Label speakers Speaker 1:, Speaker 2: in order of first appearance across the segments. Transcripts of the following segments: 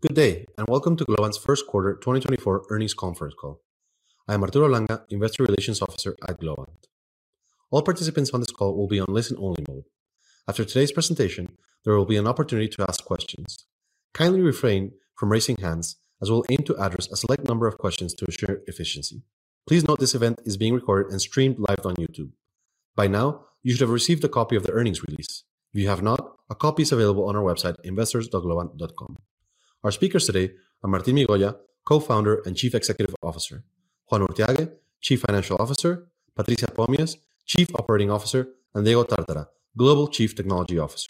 Speaker 1: Good day, and welcome to Globant's first quarter 2024 earnings conference call. I am Arturo Langa, Investor Relations Officer at Globant. All participants on this call will be on listen-only mode. After today's presentation, there will be an opportunity to ask questions. Kindly refrain from raising hands, as we'll aim to address a select number of questions to ensure efficiency. Please note this event is being recorded and streamed live on. By now, you should have received a copy of the earnings release. If you have not, a copy is available on our website, investors.globant.com. Our speakers today are Martín Migoya, Co-founder and Chief Executive Officer, Juan Urthiague, Chief Financial Officer, Patricia Pomies, Chief Operating Officer, and Diego Tartara, Global Chief Technology Officer.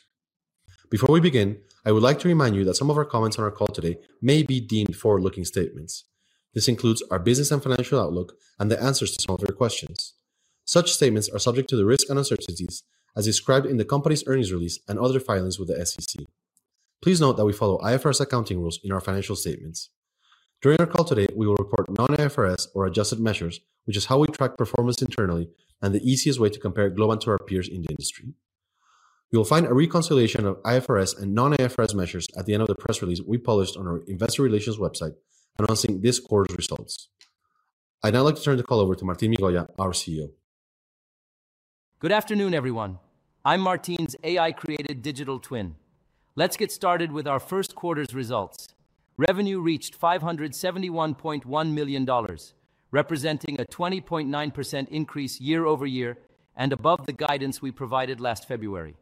Speaker 1: Before we begin, I would like to remind you that some of our comments on our call today may be deemed forward-looking statements. This includes our business and financial outlook and the answers to some of your questions. Such statements are subject to the risks and uncertainties as described in the company's earnings release and other filings with the SEC. Please note that we follow IFRS accounting rules in our financial statements. During our call today, we will report non-IFRS or adjusted measures, which is how we track performance internally and the easiest way to compare Globant to our peers in the industry. You will find a reconciliation of IFRS and non-IFRS measures at the end of the press release we published on our investor relations website announcing this quarter's results. I'd now like to turn the call over to Martín Migoya, our CEO.
Speaker 2: Good afternoon, everyone. I'm Martín's AI-created digital twin. Let's get started with our first quarter's results. Revenue reached $571.1 million, representing a 20.9% increase year-over- year and above the guidance we provided last February.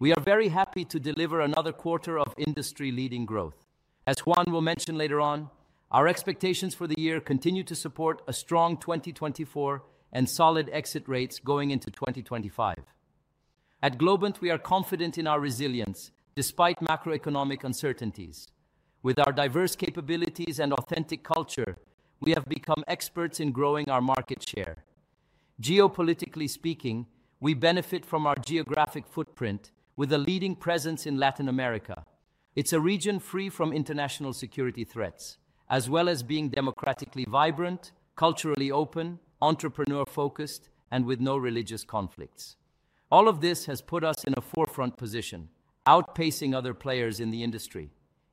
Speaker 2: We are very happy to deliver another quarter of industry-leading growth. As Juan will mention later on, our expectations for the year continue to support a strong 2024 and solid exit rates going into 2025. At Globant, we are confident in our resilience despite macroeconomic uncertainties. With our diverse capabilities and authentic culture, we have become experts in growing our market share. Geopolitically speaking, we benefit from our geographic footprint with a leading presence in Latin America. It's a region free from international security threats, as well as being democratically vibrant, culturally open, entrepreneur-focused, and with no religious conflicts. All of this has put us in a forefront position, outpacing other players in the industry.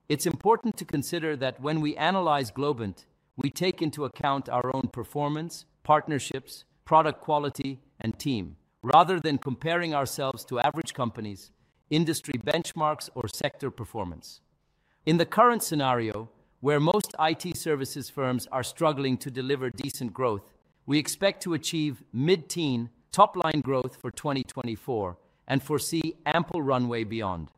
Speaker 2: It's important to consider that when we analyze Globant, we take into account our own performance, partnerships, product quality, and team, rather than comparing ourselves to average companies, industry benchmarks, or sector performance. In the current scenario, where most IT services firms are struggling to deliver decent growth, we expect to achieve mid-teen top-line growth for 2024 and foresee ample runway beyond.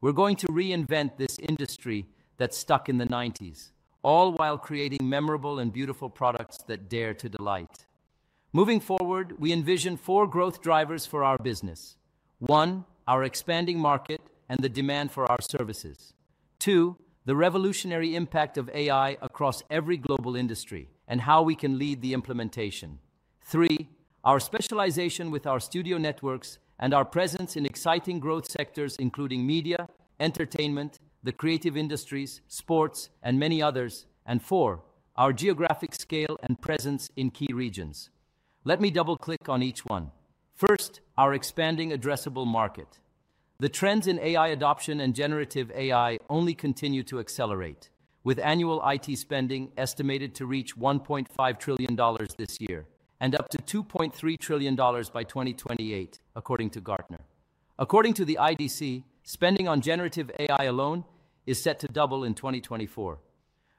Speaker 2: We're going to reinvent this industry that's stuck in the nineties, all while creating memorable and beautiful products that dare to delight. Moving forward, we envision four growth drivers for our business. One, our expanding market and the demand for our services. Two, the revolutionary impact of AI across every global industry and how we can lead the implementation. Three, our specialization with our studio networks and our presence in exciting growth sectors, including media, entertainment, the creative industries, sports, and many others. And four, our geographic scale and presence in key regions. Let me double-click on each one. First, our expanding addressable market. The trends in AI adoption and generative AI only continue to accelerate, with annual IT spending estimated to reach $1.5 trillion this year and up to $2.3 trillion by 2028, according to Gartner. According to the IDC, spending on generative AI alone is set to double in 2024.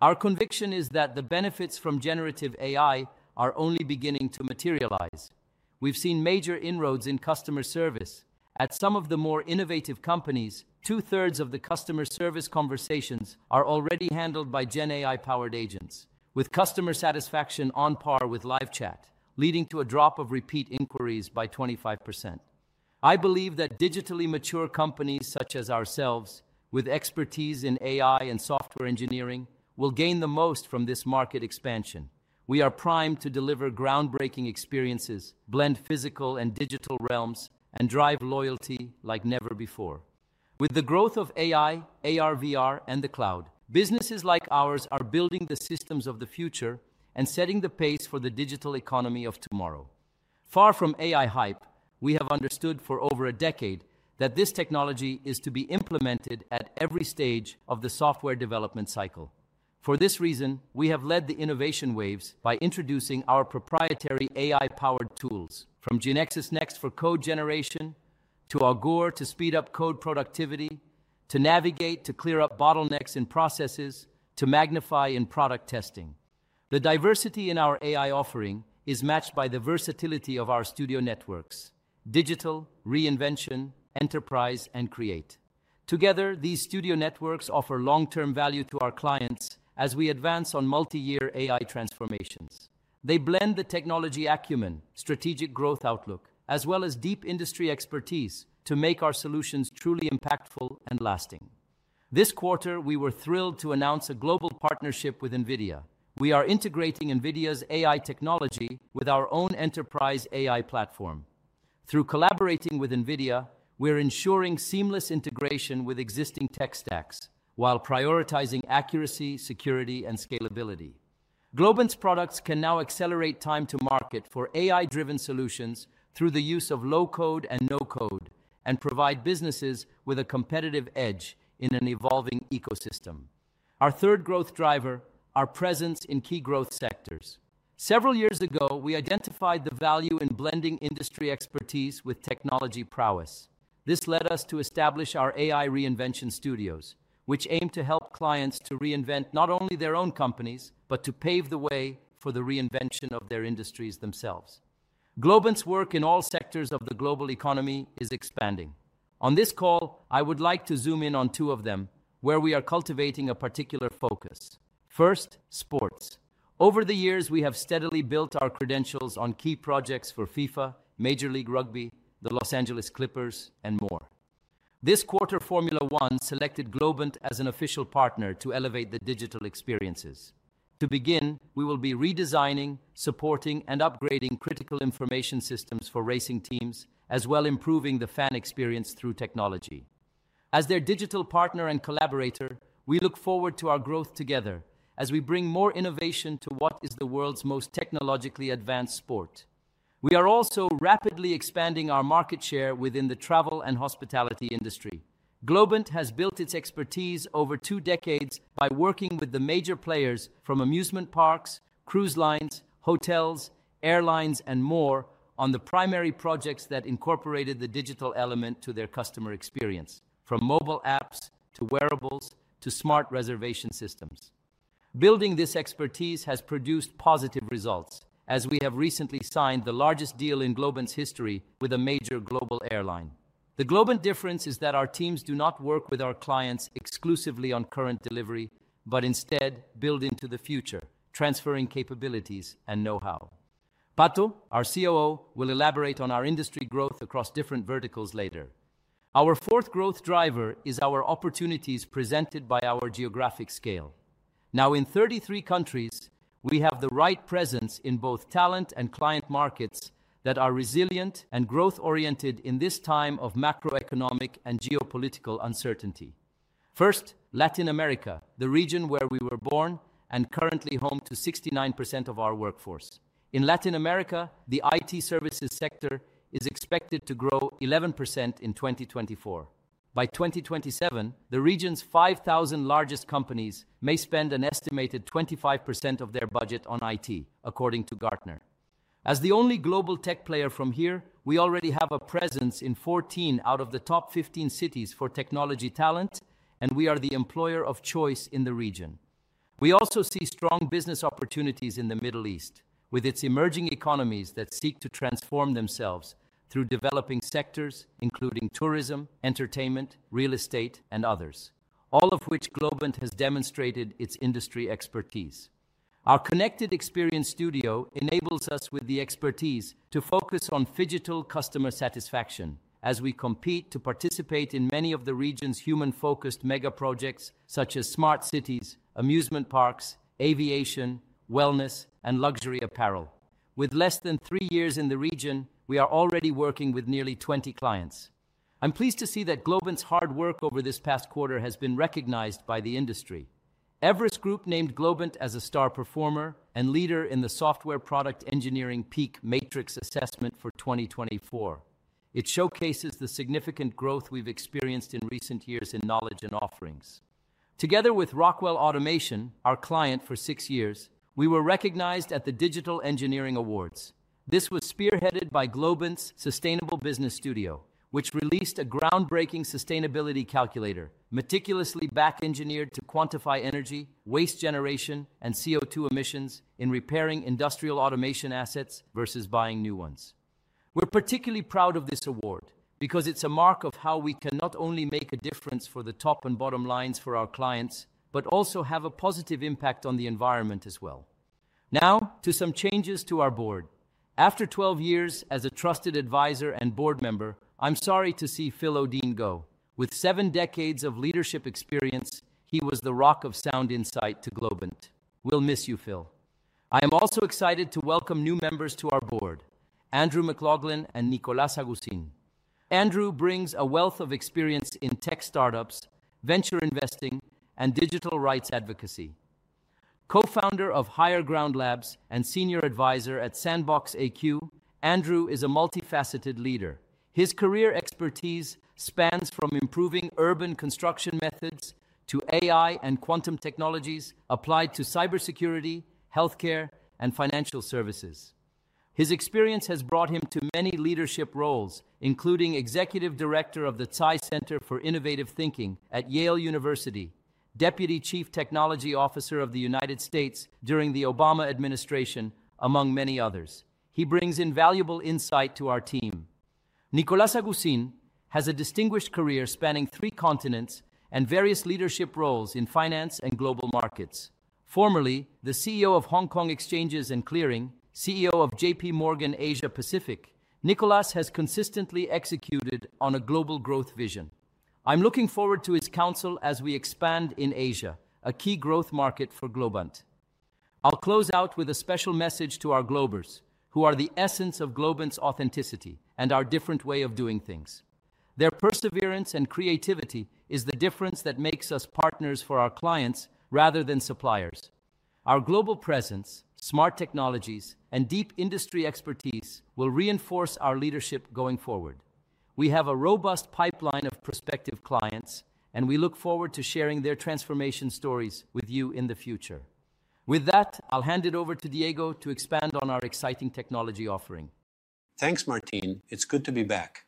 Speaker 2: Our conviction is that the benefits from generative AI are only beginning to materialize. We've seen major inroads in customer service. At some of the more innovative companies, 2/3 of the customer service conversations are already handled by Gen AI-powered agents, with customer satisfaction on par with live chat, leading to a drop of repeat inquiries by 25%. I believe that digitally mature companies such as ourselves, with expertise in AI and software engineering, will gain the most from this market expansion. We are primed to deliver groundbreaking experiences, blend physical and digital realms, and drive loyalty like never before. With the growth of AI, AR, VR, and the cloud, businesses like ours are building the systems of the future and setting the pace for the digital economy of tomorrow. Far from AI hype, we have understood for over a decade that this technology is to be implemented at every stage of the software development cycle. For this reason, we have led the innovation waves by introducing our proprietary AI-powered tools, from GeneXus Next for code generation to Augoor to speed up code productivity, to Navigate, to clear up bottlenecks in processes, to MagnifAI in product testing. The diversity in our AI offering is matched by the versatility of our studio networks: Digital, Reinvention, Enterprise, and Create. Together, these studio networks offer long-term value to our clients as we advance on multi-year AI transformations. They blend the technology acumen, strategic growth outlook, as well as deep industry expertise to make our solutions truly impactful and lasting. This quarter, we were thrilled to announce a global partnership with NVIDIA. We are integrating NVIDIA's AI technology with our own enterprise AI platform. Through collaborating with NVIDIA, we're ensuring seamless integration with existing tech stacks while prioritizing accuracy, security, and scalability.... Globant's products can now accelerate time to market for AI-driven solutions through the use of low-code and no-code, and provide businesses with a competitive edge in an evolving ecosystem. Our third growth driver, our presence in key growth sectors. Several years ago, we identified the value in blending industry expertise with technology prowess. This led us to establish our AI Reinvention Studios, which aim to help clients to reinvent not only their own companies, but to pave the way for the reinvention of their industries themselves. Globant's work in all sectors of the global economy is expanding. On this call, I would like to zoom in on two of them, where we are cultivating a particular focus. First, sports. Over the years, we have steadily built our credentials on key projects for FIFA, Major League Rugby, the Los Angeles Clippers, and more. This quarter, Formula One selected Globant as an official partner to elevate the digital experiences. To begin, we will be redesigning, supporting, and upgrading critical information systems for racing teams, as well improving the fan experience through technology. As their digital partner and collaborator, we look forward to our growth together as we bring more innovation to what is the world's most technologically advanced sport. We are also rapidly expanding our market share within the travel and hospitality industry. Globant has built its expertise over two decades by working with the major players from amusement parks, cruise lines, hotels, airlines, and more on the primary projects that incorporated the digital element to their customer experience, from mobile apps to wearables to smart reservation systems. Building this expertise has produced positive results as we have recently signed the largest deal in Globant's history with a major global airline. The Globant difference is that our teams do not work with our clients exclusively on current delivery, but instead build into the future, transferring capabilities and know-how. Pato, our COO, will elaborate on our industry growth across different verticals later. Our fourth growth driver is our opportunities presented by our geographic scale. Now, in 33 countries, we have the right presence in both talent and client markets that are resilient and growth-oriented in this time of macroeconomic and geopolitical uncertainty. First, Latin America, the region where we were born and currently home to 69% of our workforce. In Latin America, the IT services sector is expected to grow 11% in 2024. By 2027, the region's 5,000 largest companies may spend an estimated 25% of their budget on IT, according to Gartner. As the only global tech player from here, we already have a presence in 14 out of the top 15 cities for technology talent, and we are the employer of choice in the region. We also see strong business opportunities in the Middle East, with its emerging economies that seek to transform themselves through developing sectors, including tourism, entertainment, real estate, and others, all of which Globant has demonstrated its industry expertise. Our Connected Experience Studio enables us with the expertise to focus on phygital customer satisfaction as we compete to participate in many of the region's human-focused mega projects, such as smart cities, amusement parks, aviation, wellness, and luxury apparel. With less than 3 years in the region, we are already working with nearly 20 clients. I'm pleased to see that Globant's hard work over this past quarter has been recognized by the industry. Everest Group named Globant as a star performer and leader in the Software Product Engineering PEAK Matrix Assessment for 2024. It showcases the significant growth we've experienced in recent years in knowledge and offerings. Together with Rockwell Automation, our client for six years, we were recognized at the Digital Engineering Awards. This was spearheaded by Globant's Sustainable Business Studio, which released a groundbreaking sustainability calculator, meticulously back-engineered to quantify energy, waste generation, and CO2 emissions in repairing industrial automation assets versus buying new ones. We're particularly proud of this award because it's a mark of how we can not only make a difference for the top and bottom lines for our clients, but also have a positive impact on the environment as well. Now, to some changes to our board. After 12 years as a trusted advisor and board member, I'm sorry to see Philip Odeen go. With seven decades of leadership experience, he was the rock of sound insight to Globant. We'll miss you, Phil. I am also excited to welcome new members to our board, Andrew McLaughlin and Nicolás Aguzin. Andrew brings a wealth of experience in tech startups, venture investing, and digital rights advocacy. Co-founder of Higher Ground Labs and Senior Advisor at SandboxAQ, Andrew is a multifaceted leader. His career expertise spans from improving urban construction methods to AI and quantum technologies applied to cybersecurity, healthcare, and financial services. His experience has brought him to many leadership roles, including Executive Director of the Tsai Center for Innovative Thinking at Yale University, Deputy Chief Technology Officer of the United States during the Obama administration, among many others. He brings invaluable insight to our team. Nicolás Aguzin has a distinguished career spanning three continents and various leadership roles in finance and global markets. Formerly the CEO of Hong Kong Exchanges and Clearing, CEO of JPMorgan Asia Pacific, Nicolás has consistently executed on a global growth vision. I'm looking forward to his counsel as we expand in Asia, a key growth market for Globant. I'll close out with a special message to our Globers, who are the essence of Globant's authenticity and our different way of doing things. Their perseverance and creativity is the difference that makes us partners for our clients rather than suppliers. Our global presence, smart technologies, and deep industry expertise will reinforce our leadership going forward. We have a robust pipeline of prospective clients, and we look forward to sharing their transformation stories with you in the future. With that, I'll hand it over to Diego to expand on our exciting technology offering.
Speaker 3: Thanks, Martin. It's good to be back.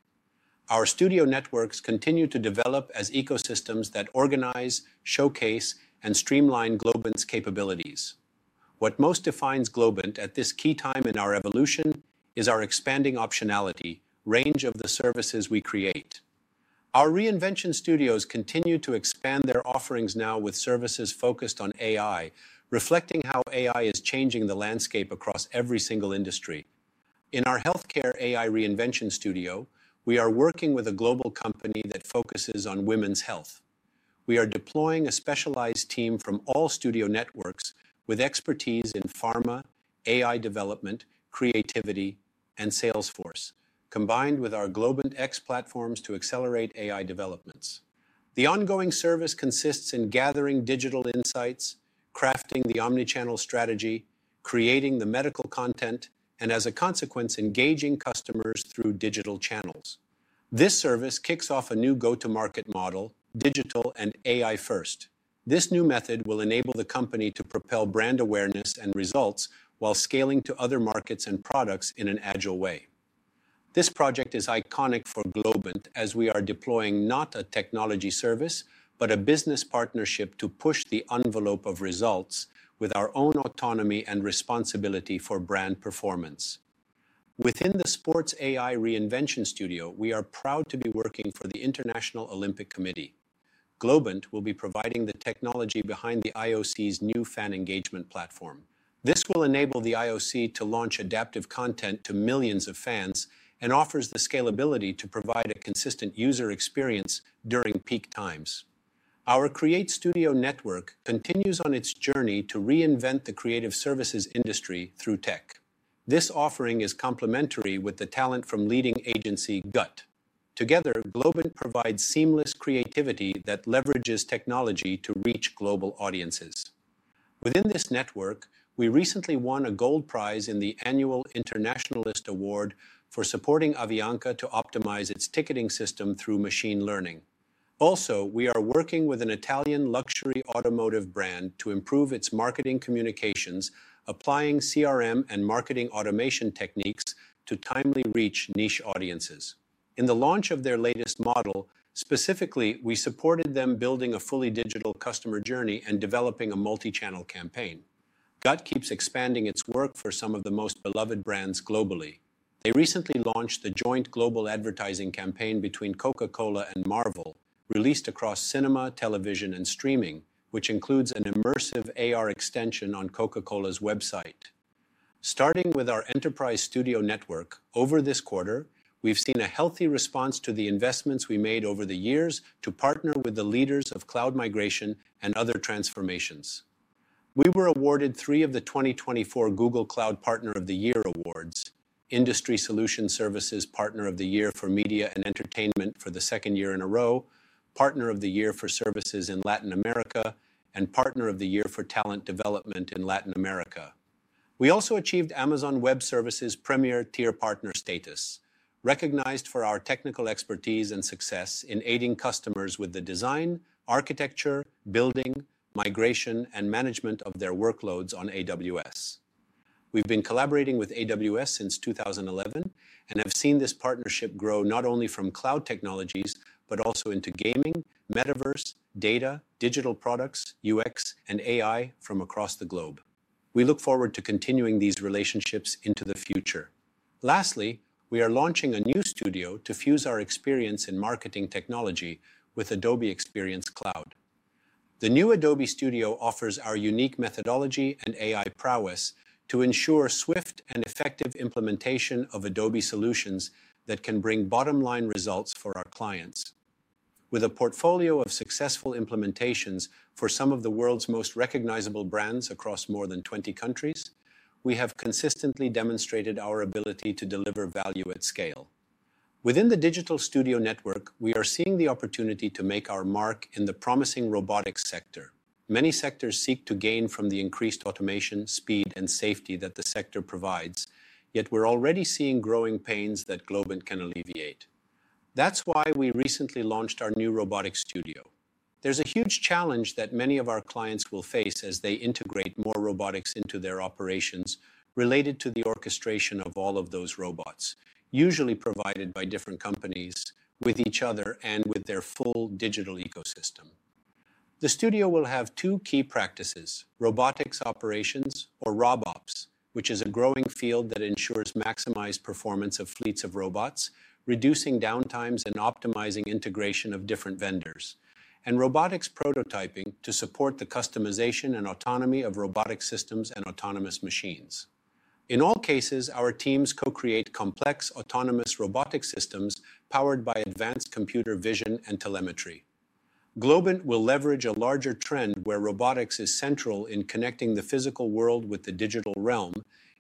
Speaker 3: Our studio networks continue to develop as ecosystems that organize, showcase, and streamline Globant's capabilities. What most defines Globant at this key time in our evolution is our expanding optionality, range of the services we create. Our reinvention studios continue to expand their offerings now with services focused on AI, reflecting how AI is changing the landscape across every single industry. In our healthcare AI reinvention studio, we are working with a global company that focuses on women's health. We are deploying a specialized team from all studio networks with expertise in pharma, AI development, creativity, and Salesforce, combined with our Globant X platforms to accelerate AI developments. The ongoing service consists in gathering digital insights, crafting the omnichannel strategy, creating the medical content, and as a consequence, engaging customers through digital channels. This service kicks off a new go-to-market model, digital and AI first. This new method will enable the company to propel brand awareness and results while scaling to other markets and products in an agile way. This project is iconic for Globant, as we are deploying not a technology service, but a business partnership to push the envelope of results with our own autonomy and responsibility for brand performance. Within the sports AI reinvention studio, we are proud to be working for the International Olympic Committee. Globant will be providing the technology behind the IOC's new fan engagement platform. This will enable the IOC to launch adaptive content to millions of fans and offers the scalability to provide a consistent user experience during peak times. Our Create Studio network continues on its journey to reinvent the creative services industry through tech. This offering is complementary with the talent from leading agency, GUT. Together, Globant provides seamless creativity that leverages technology to reach global audiences. Within this network, we recently won a gold prize in the Annual Internationalist Award for supporting Avianca to optimize its ticketing system through machine learning. Also, we are working with an Italian luxury automotive brand to improve its marketing communications, applying CRM and marketing automation techniques to timely reach niche audiences. In the launch of their latest model, specifically, we supported them building a fully digital customer journey and developing a multi-channel campaign. GUT keeps expanding its work for some of the most beloved brands globally. They recently launched the joint global advertising campaign between Coca-Cola and Marvel, released across cinema, television, and streaming, which includes an immersive AR extension on Coca-Cola's website. Starting with our enterprise studio network, over this quarter, we've seen a healthy response to the investments we made over the years to partner with the leaders of cloud migration and other transformations. We were awarded three of the 2024 Google Cloud Partner of the Year awards, Industry Solution Services Partner of the Year for Media and Entertainment for the second year in a row, Partner of the Year for services in Latin America, and Partner of the Year for Talent Development in Latin America. We also achieved Amazon Web Services premier tier partner status, recognized for our technical expertise and success in aiding customers with the design, architecture, building, migration, and management of their workloads on AWS. We've been collaborating with AWS since 2011 and have seen this partnership grow not only from cloud technologies, but also into gaming, metaverse, data, digital products, UX, and AI from across the globe. We look forward to continuing these relationships into the future. Lastly, we are launching a new studio to fuse our experience in marketing technology with Adobe Experience Cloud. The new Adobe Studio offers our unique methodology and AI prowess to ensure swift and effective implementation of Adobe solutions that can bring bottom-line results for our clients. With a portfolio of successful implementations for some of the world's most recognizable brands across more than 20 countries, we have consistently demonstrated our ability to deliver value at scale. Within the digital studio network, we are seeing the opportunity to make our mark in the promising robotics sector. Many sectors seek to gain from the increased automation, speed, and safety that the sector provides, yet we're already seeing growing pains that Globant can alleviate. That's why we recently launched our new robotics studio. There's a huge challenge that many of our clients will face as they integrate more robotics into their operations related to the orchestration of all of those robots, usually provided by different companies, with each other and with their full digital ecosystem. The studio will have two key practices: robotics operations or RobOps, which is a growing field that ensures maximized performance of fleets of robots, reducing downtimes, and optimizing integration of different vendors, and robotics prototyping to support the customization and autonomy of robotic systems and autonomous machines. In all cases, our teams co-create complex autonomous robotic systems powered by advanced computer vision and telemetry... Globant will leverage a larger trend where robotics is central in connecting the physical world with the digital realm,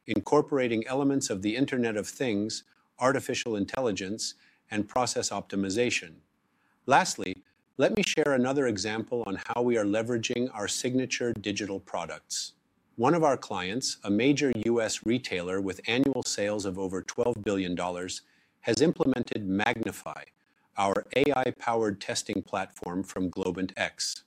Speaker 3: incorporating elements of the Internet of Things, artificial intelligence, and process optimization. Lastly, let me share another example on how we are leveraging our signature digital products. One of our clients, a major U.S. retailer with annual sales of over $12 billion, has implemented MagnifAI, our AI-powered testing platform from Globant X.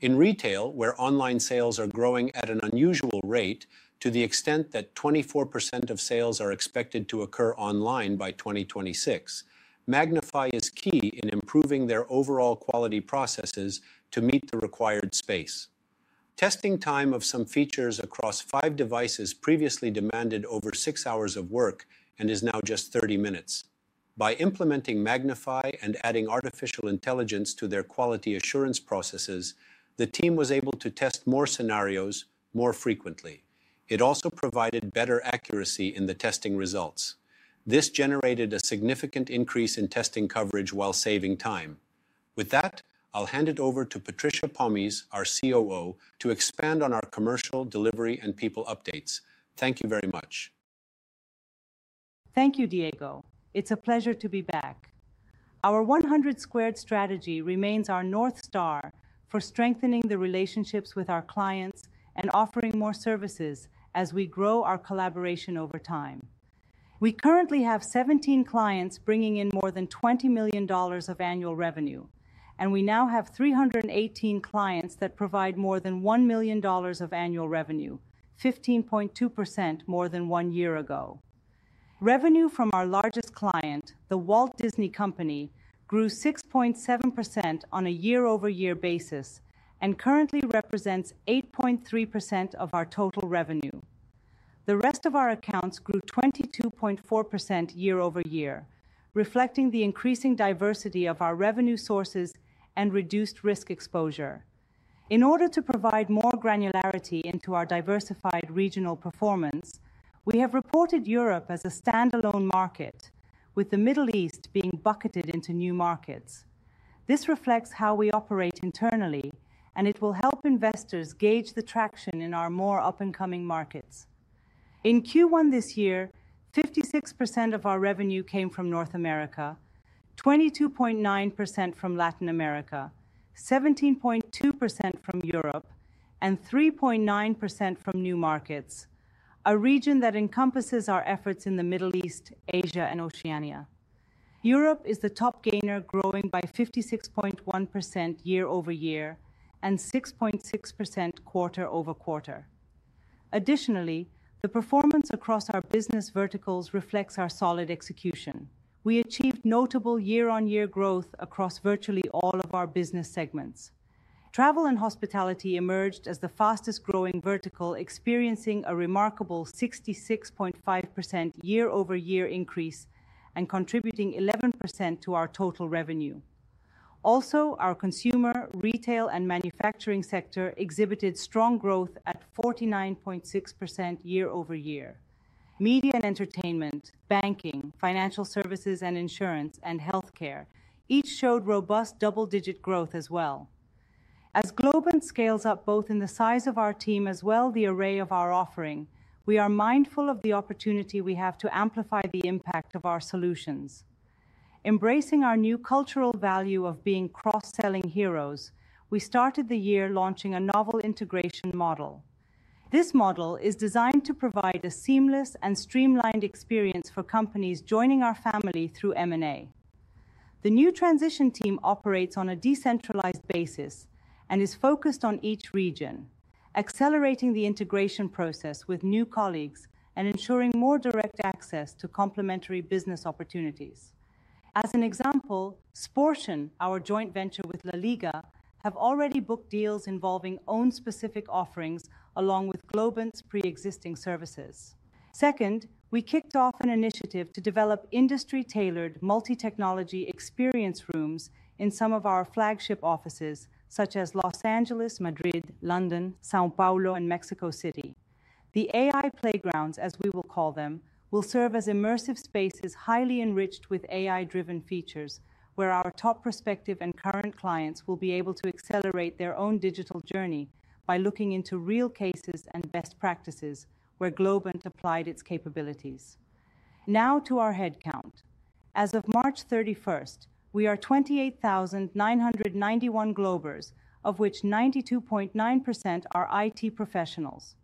Speaker 3: In retail, where online sales are growing at an unusual rate, to the extent that 24% of sales are expected to occur online by 2026, MagnifAI is key in improving their overall quality processes to meet the required space. Testing time of some features across five devices previously demanded over six hours of work and is now just thirty minutes. By implementing MagnifAI and adding artificial intelligence to their quality assurance processes, the team was able to test more scenarios more frequently. It also provided better accuracy in the testing results. This generated a significant increase in testing coverage while saving time. With that, I'll hand it over to Patricia Pomies, our COO, to expand on our commercial, delivery, and people updates. Thank you very much.
Speaker 4: Thank you, Diego. It's a pleasure to be back. Our 100 Squared strategy remains our North Star for strengthening the relationships with our clients and offering more services as we grow our collaboration over time. We currently have 17 clients bringing in more than $20 million of annual revenue, and we now have 318 clients that provide more than $1 million of annual revenue, 15.2% more than 1 year ago. Revenue from our largest client, The Walt Disney Company, grew 6.7% on a year-over-year basis and currently represents 8.3% of our total revenue. The rest of our accounts grew 22.4% year-over-year, reflecting the increasing diversity of our revenue sources and reduced risk exposure. In order to provide more granularity into our diversified regional performance, we have reported Europe as a standalone market, with the Middle East being bucketed into new markets. This reflects how we operate internally, and it will help investors gauge the traction in our more up-and-coming markets. In Q1 this year, 56% of our revenue came from North America, 22.9% from Latin America, 17.2% from Europe, and 3.9% from new markets, a region that encompasses our efforts in the Middle East, Asia, and Oceania. Europe is the top gainer, growing by 56.1% year-over-year and 6.6% quarter-over-quarter. Additionally, the performance across our business verticals reflects our solid execution. We achieved notable year-on-year growth across virtually all of our business segments. Travel and hospitality emerged as the fastest-growing vertical, experiencing a remarkable 66.5% year-over-year increase and contributing 11% to our total revenue. Also, our consumer, retail, and manufacturing sector exhibited strong growth at 49.6% year-over-year. Media and entertainment, banking, financial services and insurance, and healthcare each showed robust double-digit growth as well. As Globant scales up, both in the size of our team as well the array of our offering, we are mindful of the opportunity we have to amplify the impact of our solutions. Embracing our new cultural value of being cross-selling heroes, we started the year launching a novel integration model. This model is designed to provide a seamless and streamlined experience for companies joining our family through M&A. The new transition team operates on a decentralized basis and is focused on each region, accelerating the integration process with new colleagues and ensuring more direct access to complementary business opportunities. As an example, Sportian, our joint venture with LaLiga, have already booked deals involving own specific offerings along with Globant's preexisting services. Second, we kicked off an initiative to develop industry-tailored, multi-technology experience rooms in some of our flagship offices, such as Los Angeles, Madrid, London, São Paulo, and Mexico City. The AI playgrounds, as we will call them, will serve as immersive spaces, highly enriched with AI-driven features, where our top prospective and current clients will be able to accelerate their own digital journey by looking into real cases and best practices where Globant applied its capabilities. Now to our head count. As of March 31st, we are 28,991 Globers, of which 92.9% are IT professionals.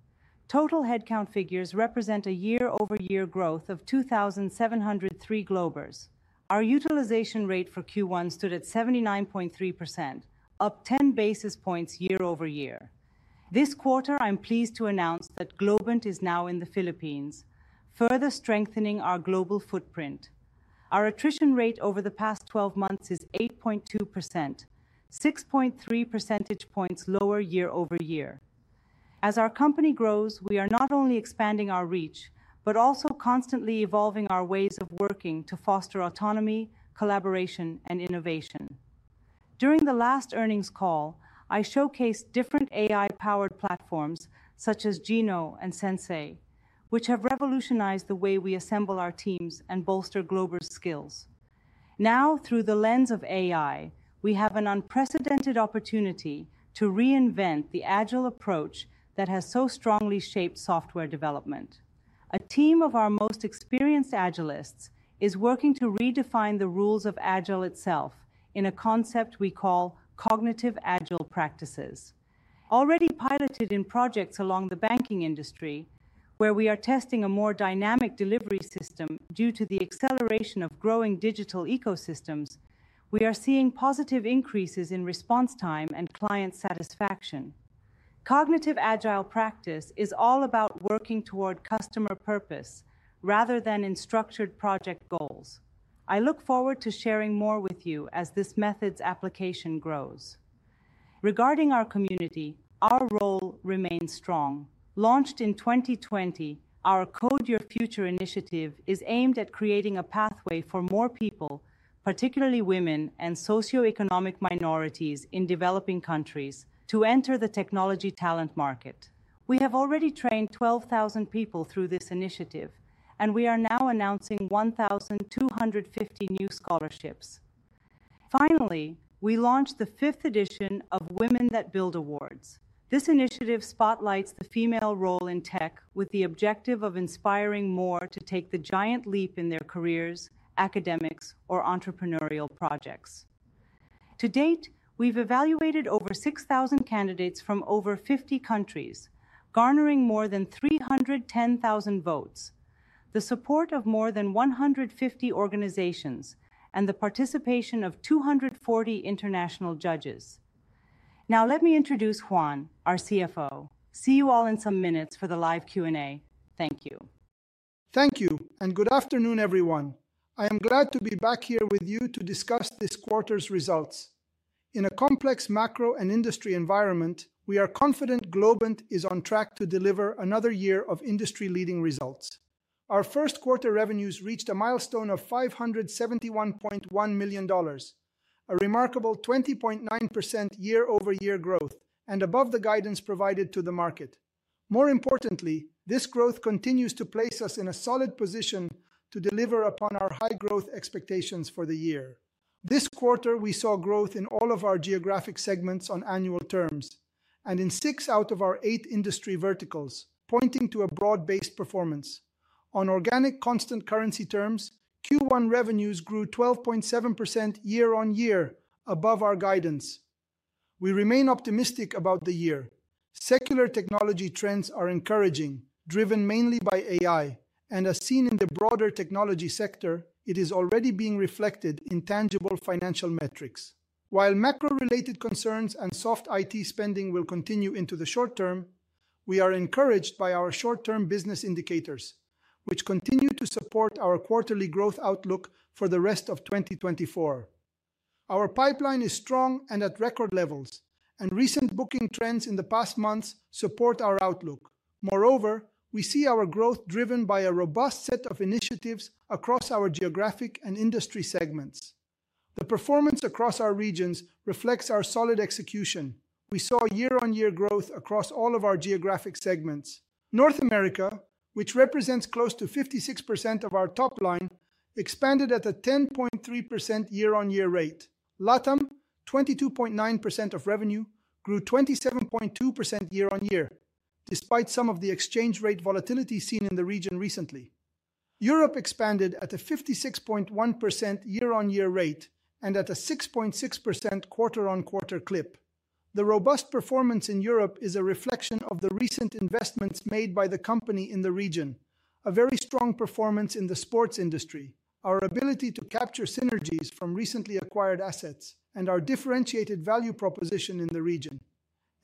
Speaker 4: Total headcount figures represent a year-over-year growth of 2,703 Globers. Our utilization rate for Q1 stood at 79.3%, up 10 basis points year-over-year. This quarter, I'm pleased to announce that Globant is now in the Philippines, further strengthening our global footprint. Our attrition rate over the past twelve months is 8.2%, 6.3 percentage points lower year-over-year. As our company grows, we are not only expanding our reach, but also constantly evolving our ways of working to foster autonomy, collaboration, and innovation. During the last earnings call, I showcased different AI-powered platforms such as GeneXus and Augoor... which have revolutionized the way we assemble our teams and bolster Globant's skills. Now, through the lens of AI, we have an unprecedented opportunity to reinvent the agile approach that has so strongly shaped software development. A team of our most experienced agilists is working to redefine the rules of agile itself in a concept we call Cognitive Agile Practices. Already piloted in projects along the banking industry, where we are testing a more dynamic delivery system due to the acceleration of growing digital ecosystems, we are seeing positive increases in response time and client satisfaction. Cognitive Agile Practice is all about working toward customer purpose rather than in structured project goals. I look forward to sharing more with you as this method's application grows. Regarding our community, our role remains strong. Launched in 2020, our Code Your Future initiative is aimed at creating a pathway for more people, particularly women and socioeconomic minorities in developing countries, to enter the technology talent market. We have already trained 12,000 people through this initiative, and we are now announcing 1,250 new scholarships. Finally, we launched the fifth edition of Women that Build Awards. This initiative spotlights the female role in tech with the objective of inspiring more to take the giant leap in their careers, academics, or entrepreneurial projects. To date, we've evaluated over 6,000 candidates from over 50 countries, garnering more than 310,000 votes, the support of more than 150 organizations, and the participation of 240 international judges. Now, let me introduce Juan, our CFO. See you all in some minutes for the live Q&A. Thank you.
Speaker 5: Thank you, and good afternoon, everyone. I am glad to be back here with you to discuss this quarter's results. In a complex macro and industry environment, we are confident Globant is on track to deliver another year of industry-leading results. Our first quarter revenues reached a milestone of $571.1 million, a remarkable 20.9% year-over-year growth and above the guidance provided to the market. More importantly, this growth continues to place us in a solid position to deliver upon our high growth expectations for the year. This quarter, we saw growth in all of our geographic segments on annual terms and in six out of our eight industry verticals, pointing to a broad-based performance. On organic constant currency terms, Q1 revenues grew 12.7% year-on-year above our guidance. We remain optimistic about the year. Secular technology trends are encouraging, driven mainly by AI, and as seen in the broader technology sector, it is already being reflected in tangible financial metrics. While macro-related concerns and soft IT spending will continue into the short term, we are encouraged by our short-term business indicators, which continue to support our quarterly growth outlook for the rest of 2024. Our pipeline is strong and at record levels, and recent booking trends in the past months support our outlook. Moreover, we see our growth driven by a robust set of initiatives across our geographic and industry segments. The performance across our regions reflects our solid execution. We saw year-on-year growth across all of our geographic segments. North America, which represents close to 56% of our top line, expanded at a 10.3% year-on-year rate. LATAM, 22.9% of revenue, grew 27.2% year-on-year, despite some of the exchange rate volatility seen in the region recently. Europe expanded at a 56.1% year-on-year rate and at a 6.6% quarter-on-quarter clip. The robust performance in Europe is a reflection of the recent investments made by the company in the region, a very strong performance in the sports industry, our ability to capture synergies from recently acquired assets, and our differentiated value proposition in the region.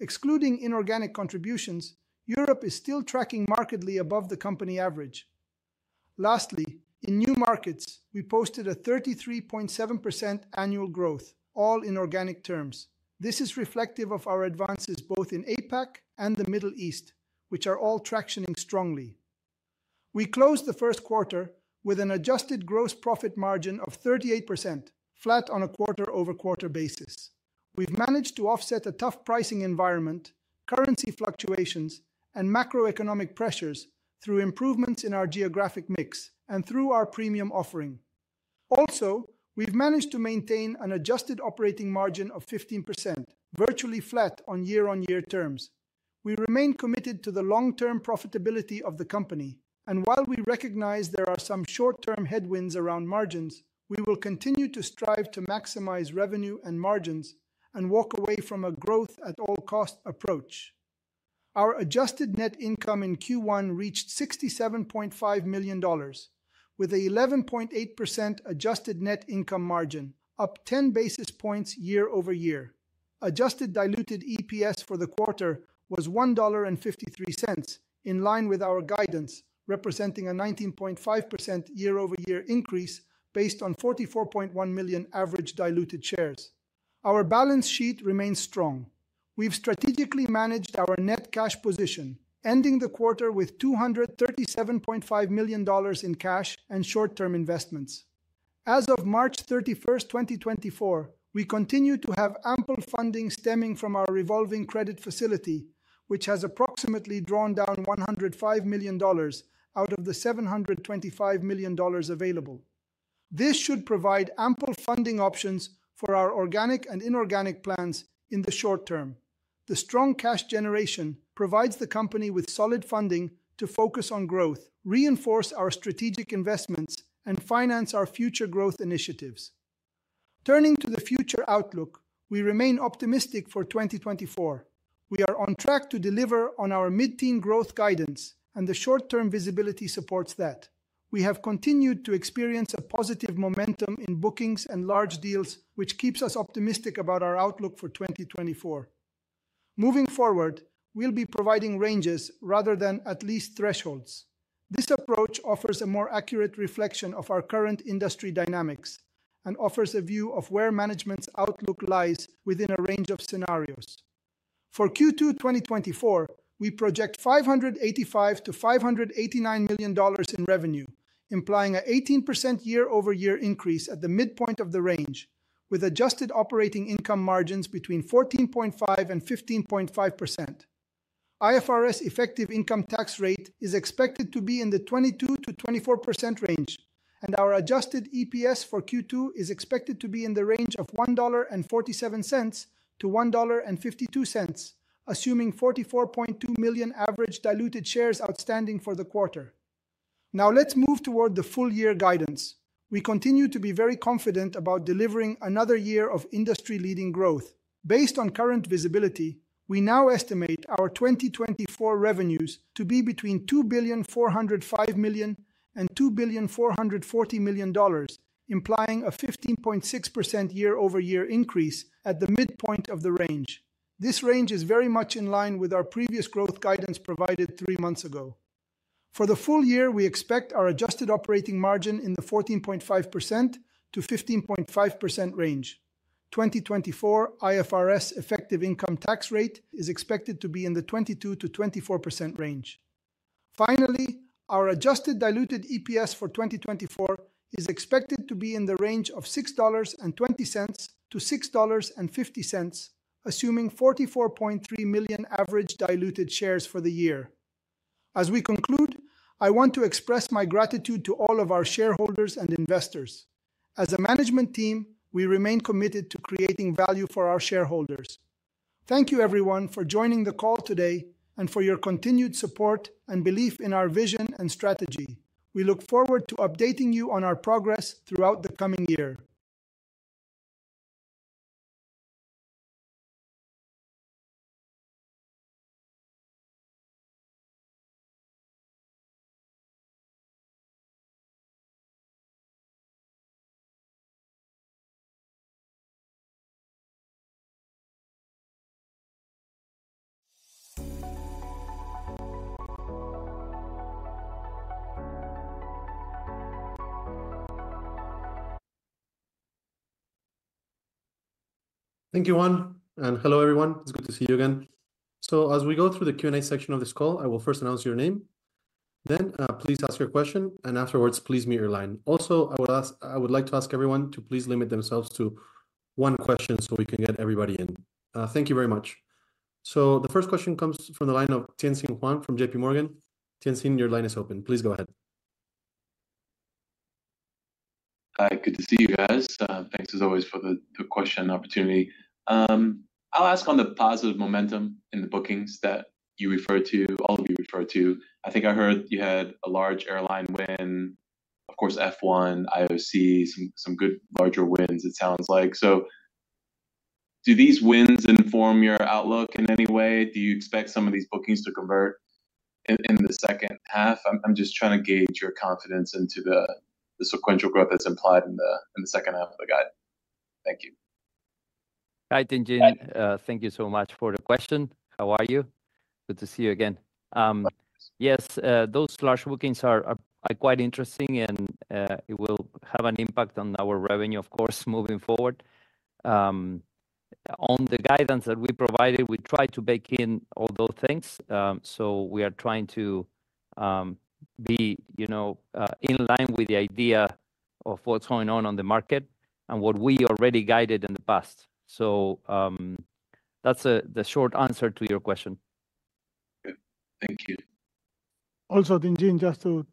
Speaker 5: Excluding inorganic contributions, Europe is still tracking markedly above the company average. Lastly, in new markets, we posted a 33.7% annual growth, all in organic terms. This is reflective of our advances both in APAC and the Middle East, which are all tractioning strongly. We closed the first quarter with an adjusted gross profit margin of 38%, flat on a quarter-over-quarter basis. We've managed to offset a tough pricing environment, currency fluctuations, and macroeconomic pressures through improvements in our geographic mix and through our premium offering. Also, we've managed to maintain an adjusted operating margin of 15%, virtually flat on year-over-year terms. We remain committed to the long-term profitability of the company, and while we recognize there are some short-term headwinds around margins, we will continue to strive to maximize revenue and margins and walk away from a growth-at-all-cost approach. Our adjusted net income in Q1 reached $67.5 million, with an 11.8% adjusted net income margin, up 10 basis points year-over-year. Adjusted diluted EPS for the quarter was $1.53, in line with our guidance, representing a 19.5% year-over-year increase based on 44.1 million average diluted shares. Our balance sheet remains strong. We've strategically managed our net cash position, ending the quarter with $237.5 million in cash and short-term investments. As of March 31st, 2024, we continue to have ample funding stemming from our revolving credit facility, which has approximately drawn down $105 million out of the $725 million available. This should provide ample funding options for our organic and inorganic plans in the short term. The strong cash generation provides the company with solid funding to focus on growth, reinforce our strategic investments, and finance our future growth initiatives. Turning to the future outlook, we remain optimistic for 2024. We are on track to deliver on our mid-teen growth guidance, and the short-term visibility supports that. We have continued to experience a positive momentum in bookings and large deals, which keeps us optimistic about our outlook for 2024. Moving forward, we'll be providing ranges rather than at least thresholds. This approach offers a more accurate reflection of our current industry dynamics and offers a view of where management's outlook lies within a range of scenarios. For Q2 2024, we project $585 million-$589 million in revenue, implying an 18% year-over-year increase at the midpoint of the range, with adjusted operating income margins between 14.5% and 15.5%. IFRS effective income tax rate is expected to be in the 22%-24% range, and our adjusted EPS for Q2 is expected to be in the range of $1.47-$1.52, assuming 44.2 million average diluted shares outstanding for the quarter. Now, let's move toward the full year guidance. We continue to be very confident about delivering another year of industry-leading growth. Based on current visibility, we now estimate our 2024 revenues to be between $2.405 billion and $2.44 billion, implying a 15.6% year-over-year increase at the midpoint of the range. This range is very much in line with our previous growth guidance provided three months ago. For the full year, we expect our adjusted operating margin in the 14.5%-15.5% range. 2024 IFRS effective income tax rate is expected to be in the 22%-24% range. Finally, our adjusted diluted EPS for 2024 is expected to be in the range of $6.20-$6.50, assuming 44.3 million average diluted shares for the year. As we conclude, I want to express my gratitude to all of our shareholders and investors. As a management team, we remain committed to creating value for our shareholders. Thank you everyone for joining the call today and for your continued support and belief in our vision and strategy. We look forward to updating you on our progress throughout the coming year.
Speaker 1: Thank you, Juan, and hello, everyone. It's good to see you again. So as we go through the Q&A section of this call, I will first announce your name, then please ask your question, and afterwards, please mute your line. Also, I would like to ask everyone to please limit themselves to one question so we can get everybody in. Thank you very much. So the first question comes from the line of Tien-Tsin Huang from JP Morgan. Tien-Tsin, your line is open. Please go ahead.
Speaker 6: Hi, good to see you guys. Thanks as always for the question opportunity. I'll ask on the positive momentum in the bookings that you referred to, all of you referred to. I think I heard you had a large airline win, of course, F1, IOC, some good larger wins, it sounds like. So do these wins inform your outlook in any way? Do you expect some of these bookings to convert in the second half? I'm just trying to gauge your confidence into the sequential growth that's implied in the second half of the guide. Thank you.
Speaker 2: Hi, Tien-Tsin. Thank you so much for the question. How are you? Good to see you again. Yes, those large bookings are quite interesting and it will have an impact on our revenue, of course, moving forward. On the guidance that we provided, we tried to bake in all those things. So we are trying to be, you know, in line with the idea of what's going on on the market and what we already guided in the past. So, that's the short answer to your question.
Speaker 6: Thank you.
Speaker 5: Also, Tien-Tsin, just to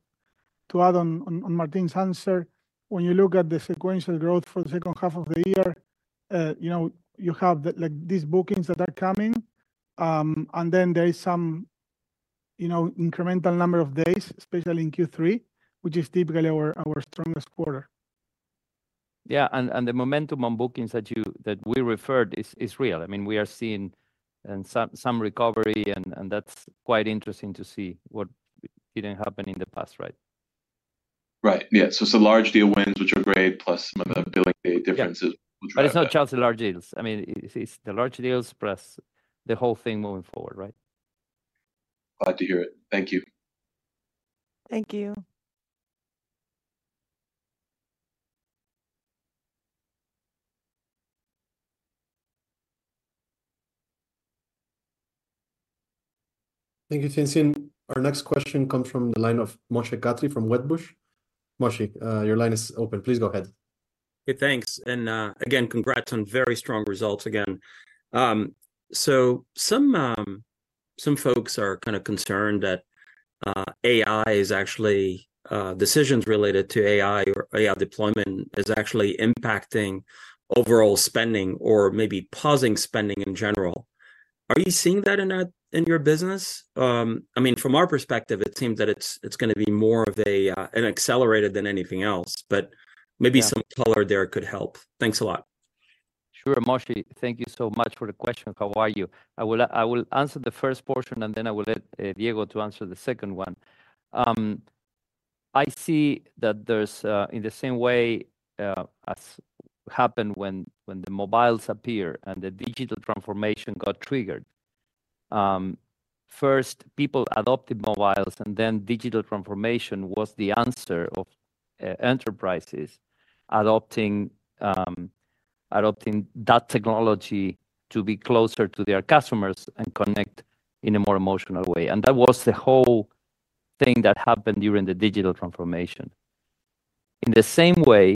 Speaker 5: add on to Martín's answer, when you look at the sequential growth for the second half of the year, you know, you have, like, these bookings that are coming, and then there is some, you know, incremental number of days, especially in Q3, which is typically our strongest quarter.
Speaker 2: Yeah, the momentum on bookings that you - that we referred is real. I mean, we are seeing some recovery, and that's quite interesting to see what didn't happen in the past, right?
Speaker 6: Right. Yeah. It's a large deal wins, which are great, plus some of the billing differences.
Speaker 2: But it's not just large deals. I mean, it's, it's the large deals plus the whole thing moving forward, right?
Speaker 6: Glad to hear it. Thank you.
Speaker 5: Thank you....
Speaker 1: Thank you, Tien-Tsin Huang. Our next question comes from the line of Moshe Katri from Wedbush. Moshe, your line is open. Please go ahead.
Speaker 7: Hey, thanks, and again, congrats on very strong results again. So some folks are kind of concerned that AI is actually decisions related to AI or AI deployment is actually impacting overall spending or maybe pausing spending in general. Are you seeing that in your business? I mean, from our perspective, it seems that it's gonna be more of an accelerator than anything else, but-
Speaker 2: Yeah...
Speaker 7: maybe some color there could help. Thanks a lot.
Speaker 2: Sure, Moshe. Thank you so much for the question. How are you? I will, I will answer the first portion, and then I will let, Diego to answer the second one. I see that there's, in the same way, as happened when the mobiles appear and the digital transformation got triggered, first, people adopted mobiles, and then digital transformation was the answer of, enterprises adopting that technology to be closer to their customers and connect in a more emotional way, and that was the whole thing that happened during the digital transformation. In the same way,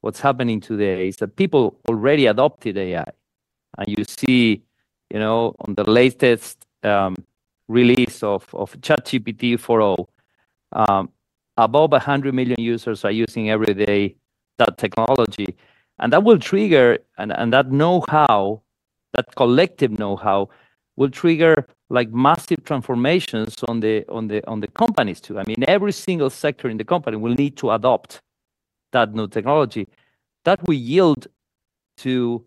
Speaker 2: what's happening today is that people already adopted AI, and you see, you know, on the latest, release of ChatGPT 4o, above 100 million users are using every day that technology. And that will trigger... That know-how, that collective know-how will trigger, like, massive transformations on the companies, too. I mean, every single sector in the company will need to adopt that new technology. That will yield to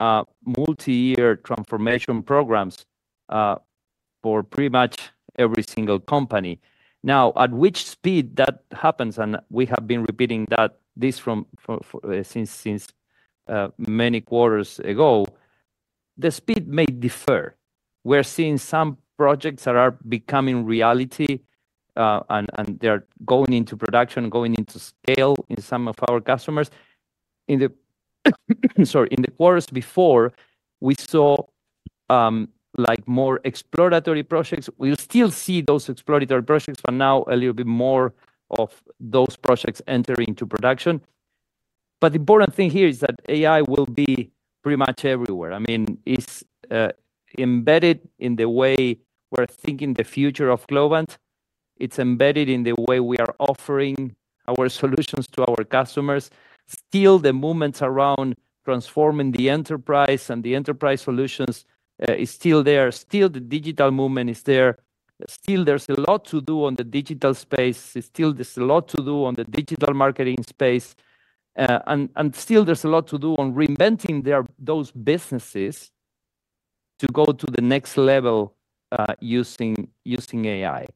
Speaker 2: multi-year transformation programs for pretty much every single company. Now, at which speed that happens, and we have been repeating that for since many quarters ago, the speed may differ. We're seeing some projects that are becoming reality, and they're going into production, going into scale in some of our customers. In the quarters before, we saw, like more exploratory projects. We'll still see those exploratory projects, but now a little bit more of those projects enter into production. But the important thing here is that AI will be pretty much everywhere. I mean, it's embedded in the way we're thinking the future of Globant. It's embedded in the way we are offering our solutions to our customers. Still, the movement around transforming the enterprise and the enterprise solutions is still there. Still, the digital movement is there. Still, there's a lot to do on the digital space. Still, there's a lot to do on the digital marketing space. And still there's a lot to do on reinventing their, those businesses to go to the next level using AI.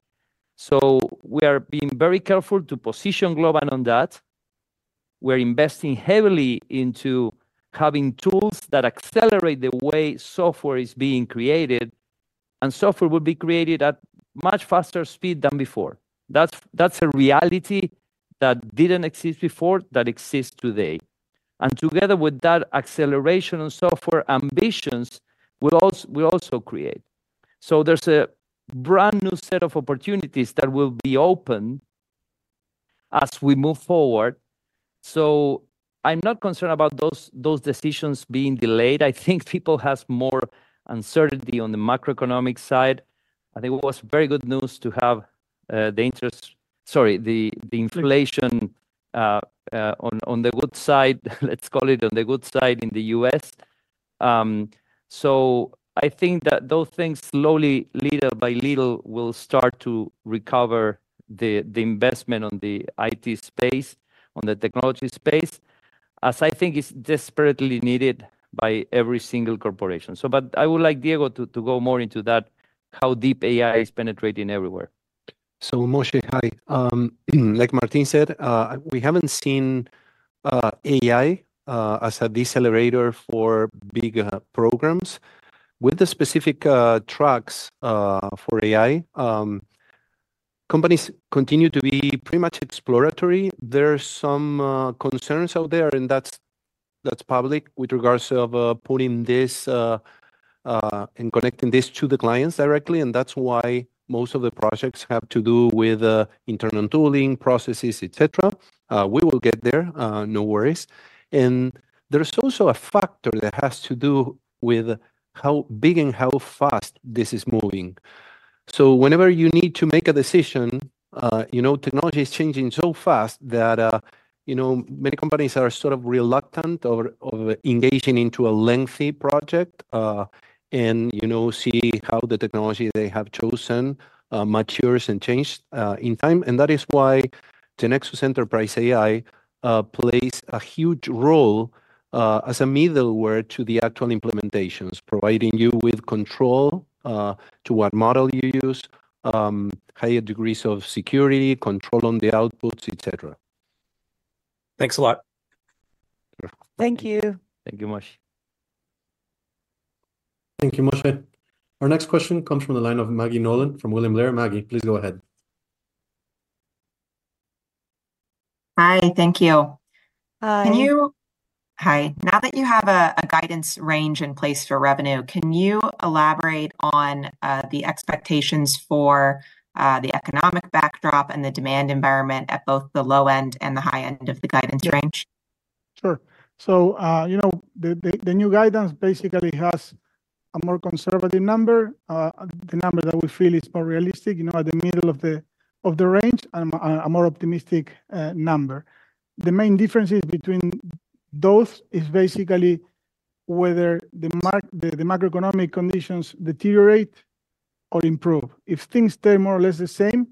Speaker 2: So we are being very careful to position Globant on that. We're investing heavily into having tools that accelerate the way software is being created, and software will be created at much faster speed than before. That's, that's a reality that didn't exist before, that exists today, and together with that acceleration on software, ambitions will also create. So there's a brand-new set of opportunities that will be open as we move forward, so I'm not concerned about those, those decisions being delayed. I think people has more uncertainty on the macroeconomic side. I think it was very good news to have the inflation on the good side, let's call it on the good side in the U.S. So I think that those things slowly, little by little, will start to recover the investment on the IT space, on the technology space, as I think it's desperately needed by every single corporation. So but I would like Diego to go more into that, how deep AI is penetrating everywhere.
Speaker 3: So Moshe, hi. Like Martin said, we haven't seen AI as a decelerator for big programs. With the specific tracks for AI, companies continue to be pretty much exploratory. There are some concerns out there, and that's public, with regards of putting this and connecting this to the clients directly, and that's why most of the projects have to do with internal tooling, processes, et cetera. We will get there, no worries. And there's also a factor that has to do with how big and how fast this is moving. So whenever you need to make a decision, you know, technology is changing so fast that, you know, many companies are sort of reluctant of, of engaging into a lengthy project, and, you know, see how the technology they have chosen, matures and change, in time. That is why GeneXus Enterprise AI plays a huge role, as a middleware to the actual implementations, providing you with control, to what model you use, higher degrees of security, control on the outputs, et cetera.
Speaker 7: Thanks a lot.
Speaker 3: Sure.
Speaker 5: Thank you.
Speaker 2: Thank you, Moshe.
Speaker 1: Thank you, Moshe. Our next question comes from the line of Maggie Nolan from William Blair. Maggie, please go ahead....
Speaker 8: Hi, thank you.
Speaker 5: Hi.
Speaker 8: Hi. Now that you have a guidance range in place for revenue, can you elaborate on the expectations for the economic backdrop and the demand environment at both the low end and the high end of the guidance range?
Speaker 5: Sure. So, you know, the new guidance basically has a more conservative number, the number that we feel is more realistic, you know, at the middle of the range, and a more optimistic number. The main differences between those is basically whether the macroeconomic conditions deteriorate or improve. If things stay more or less the same,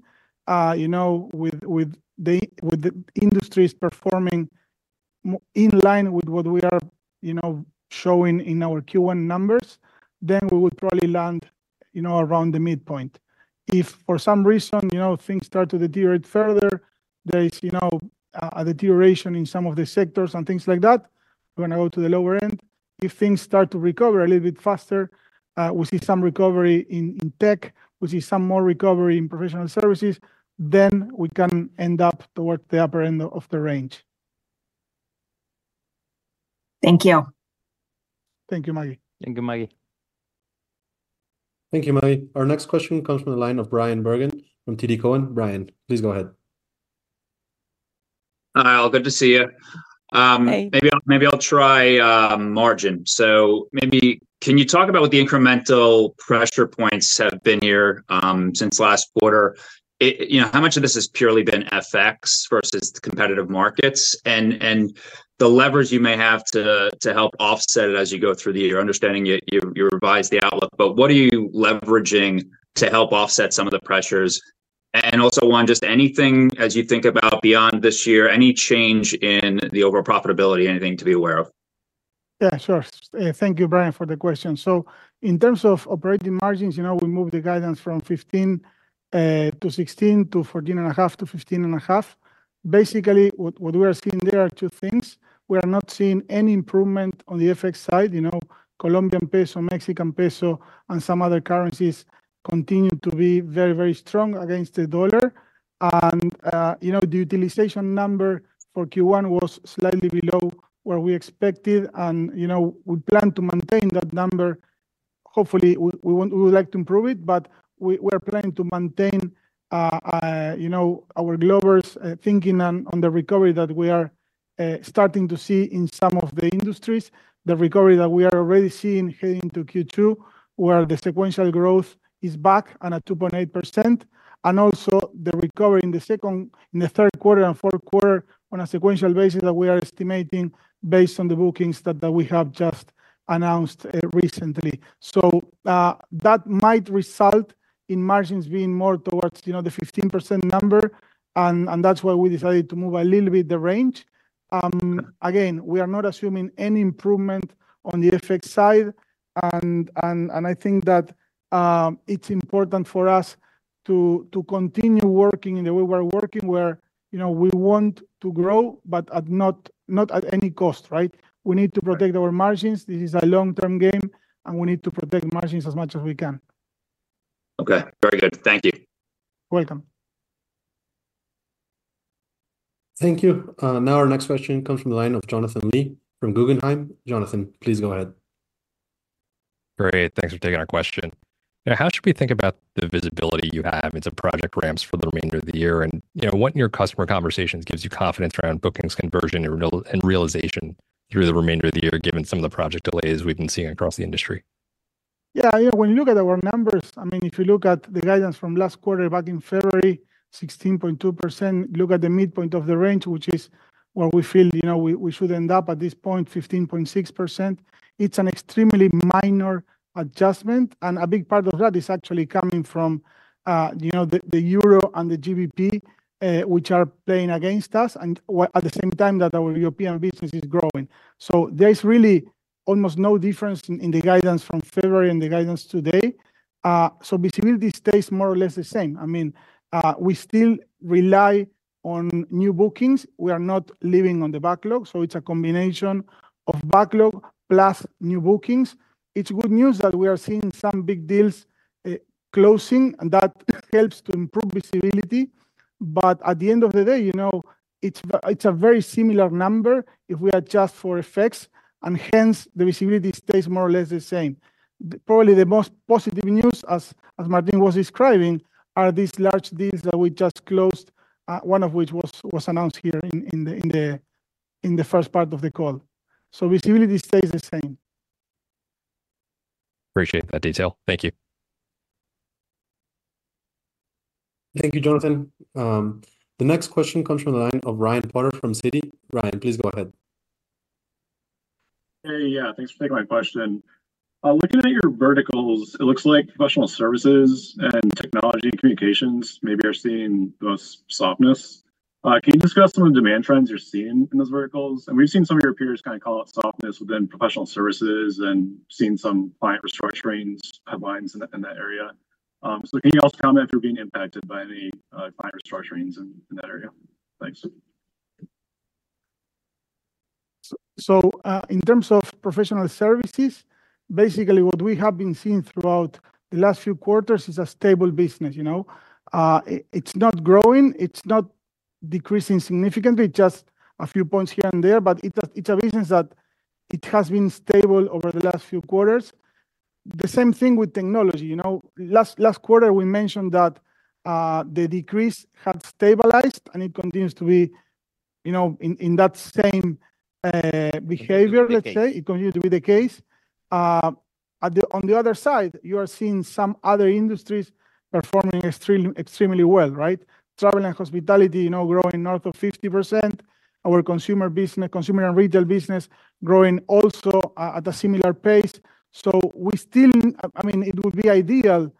Speaker 5: you know, with the industries performing in line with what we are, you know, showing in our Q1 numbers, then we would probably land, you know, around the midpoint. If for some reason, you know, things start to deteriorate further, there is, you know, a deterioration in some of the sectors and things like that, we're going to go to the lower end. If things start to recover a little bit faster, we see some recovery in tech, we see some more recovery in professional services, then we can end up towards the upper end of the range.
Speaker 8: Thank you.
Speaker 5: Thank you, Maggie.
Speaker 3: Thank you, Maggie.
Speaker 1: Thank you, Maggie. Our next question comes from the line of Bryan Bergin from TD Cowen. Bryan, please go ahead.
Speaker 9: Hi, all. Good to see you.
Speaker 5: Hey.
Speaker 9: Maybe I'll try margin. So maybe can you talk about what the incremental pressure points have been here since last quarter? You know, how much of this has purely been FX versus competitive markets, and the levers you may have to help offset it as you go through the year, understanding you revised the outlook. But what are you leveraging to help offset some of the pressures? And also, Juan, just anything as you think about beyond this year, any change in the overall profitability, anything to be aware of?
Speaker 5: Yeah, sure. Thank you, Brian, for the question. So in terms of operating margins, you know, we moved the guidance from 15%-16% to 14.5%-15.5%. Basically, what we are seeing there are two things. We are not seeing any improvement on the FX side. You know, Colombian peso, Mexican peso, and some other currencies continue to be very, very strong against the dollar. And, you know, the utilization number for Q1 was slightly below where we expected and, you know, we plan to maintain that number. Hopefully, we would like to improve it, but we are planning to maintain, you know, our Globers thinking on the recovery that we are starting to see in some of the industries, the recovery that we are already seeing heading into Q2, where the sequential growth is back on a 2.8%, and also the recovery in the second, in the third quarter and fourth quarter on a sequential basis that we are estimating based on the bookings that we have just announced recently. So, that might result in margins being more towards, you know, the 15% number, and that's why we decided to move a little bit the range. Again, we are not assuming any improvement on the FX side, and I think that it's important for us to continue working in the way we're working, where, you know, we want to grow, but not at any cost, right? We need to protect our margins. This is a long-term game, and we need to protect margins as much as we can.
Speaker 9: Okay, very good. Thank you.
Speaker 5: Welcome.
Speaker 1: Thank you. Now our next question comes from the line of Jonathan Lee from Guggenheim. Jonathan, please go ahead.
Speaker 10: Great, thanks for taking our question. Now, how should we think about the visibility you have into project ramps for the remainder of the year? And, you know, what, in your customer conversations, gives you confidence around bookings, conversion, and real- and realization through the remainder of the year, given some of the project delays we've been seeing across the industry?
Speaker 5: Yeah, yeah, when you look at our numbers, I mean, if you look at the guidance from last quarter back in February, 16.2%, look at the midpoint of the range, which is where we feel, you know, we should end up at this point, 15.6%. It's an extremely minor adjustment, and a big part of that is actually coming from, you know, the Euro and the GBP, which are playing against us, and what at the same time that our European business is growing. So there is really almost no difference in the guidance from February and the guidance today. So visibility stays more or less the same. I mean, we still rely on new bookings. We are not living on the backlog, so it's a combination of backlog plus new bookings. It's good news that we are seeing some big deals closing, and that helps to improve visibility. But at the end of the day, you know, it's a very similar number if we adjust for effects, and hence the visibility stays more or less the same. Probably the most positive news, as Martín was describing, are these large deals that we just closed, one of which was announced here in the first part of the call. So visibility stays the same.
Speaker 10: Appreciate that detail. Thank you.
Speaker 1: Thank you, Jonathan. The next question comes from the line of Ryan Potter from Citi. Ryan, please go ahead.
Speaker 11: Hey, yeah, thanks for taking my question. Looking at your verticals, it looks like professional services and technology communications maybe are seeing the most softness. Can you discuss some of the demand trends you're seeing in those verticals? And we've seen some of your peers kind of call it softness within professional services and seen some client restructurings headlines in, in that area. So can you also comment if you're being impacted by any, client restructurings in, in that area? Thanks....
Speaker 5: So, in terms of professional services, basically what we have been seeing throughout the last few quarters is a stable business, you know? It's not growing, it's not decreasing significantly, just a few points here and there, but it's a business that has been stable over the last few quarters. The same thing with technology. You know, last quarter, we mentioned that the decrease had stabilized, and it continues to be, you know, in that same behavior-
Speaker 2: Behavior...
Speaker 5: let's say. It continues to be the case. On the other side, you are seeing some other industries performing extremely, extremely well, right? Travel and hospitality, you know, growing north of 50%. Our consumer business, consumer and retail business growing also at a similar pace. So we still... I mean, it would be ideal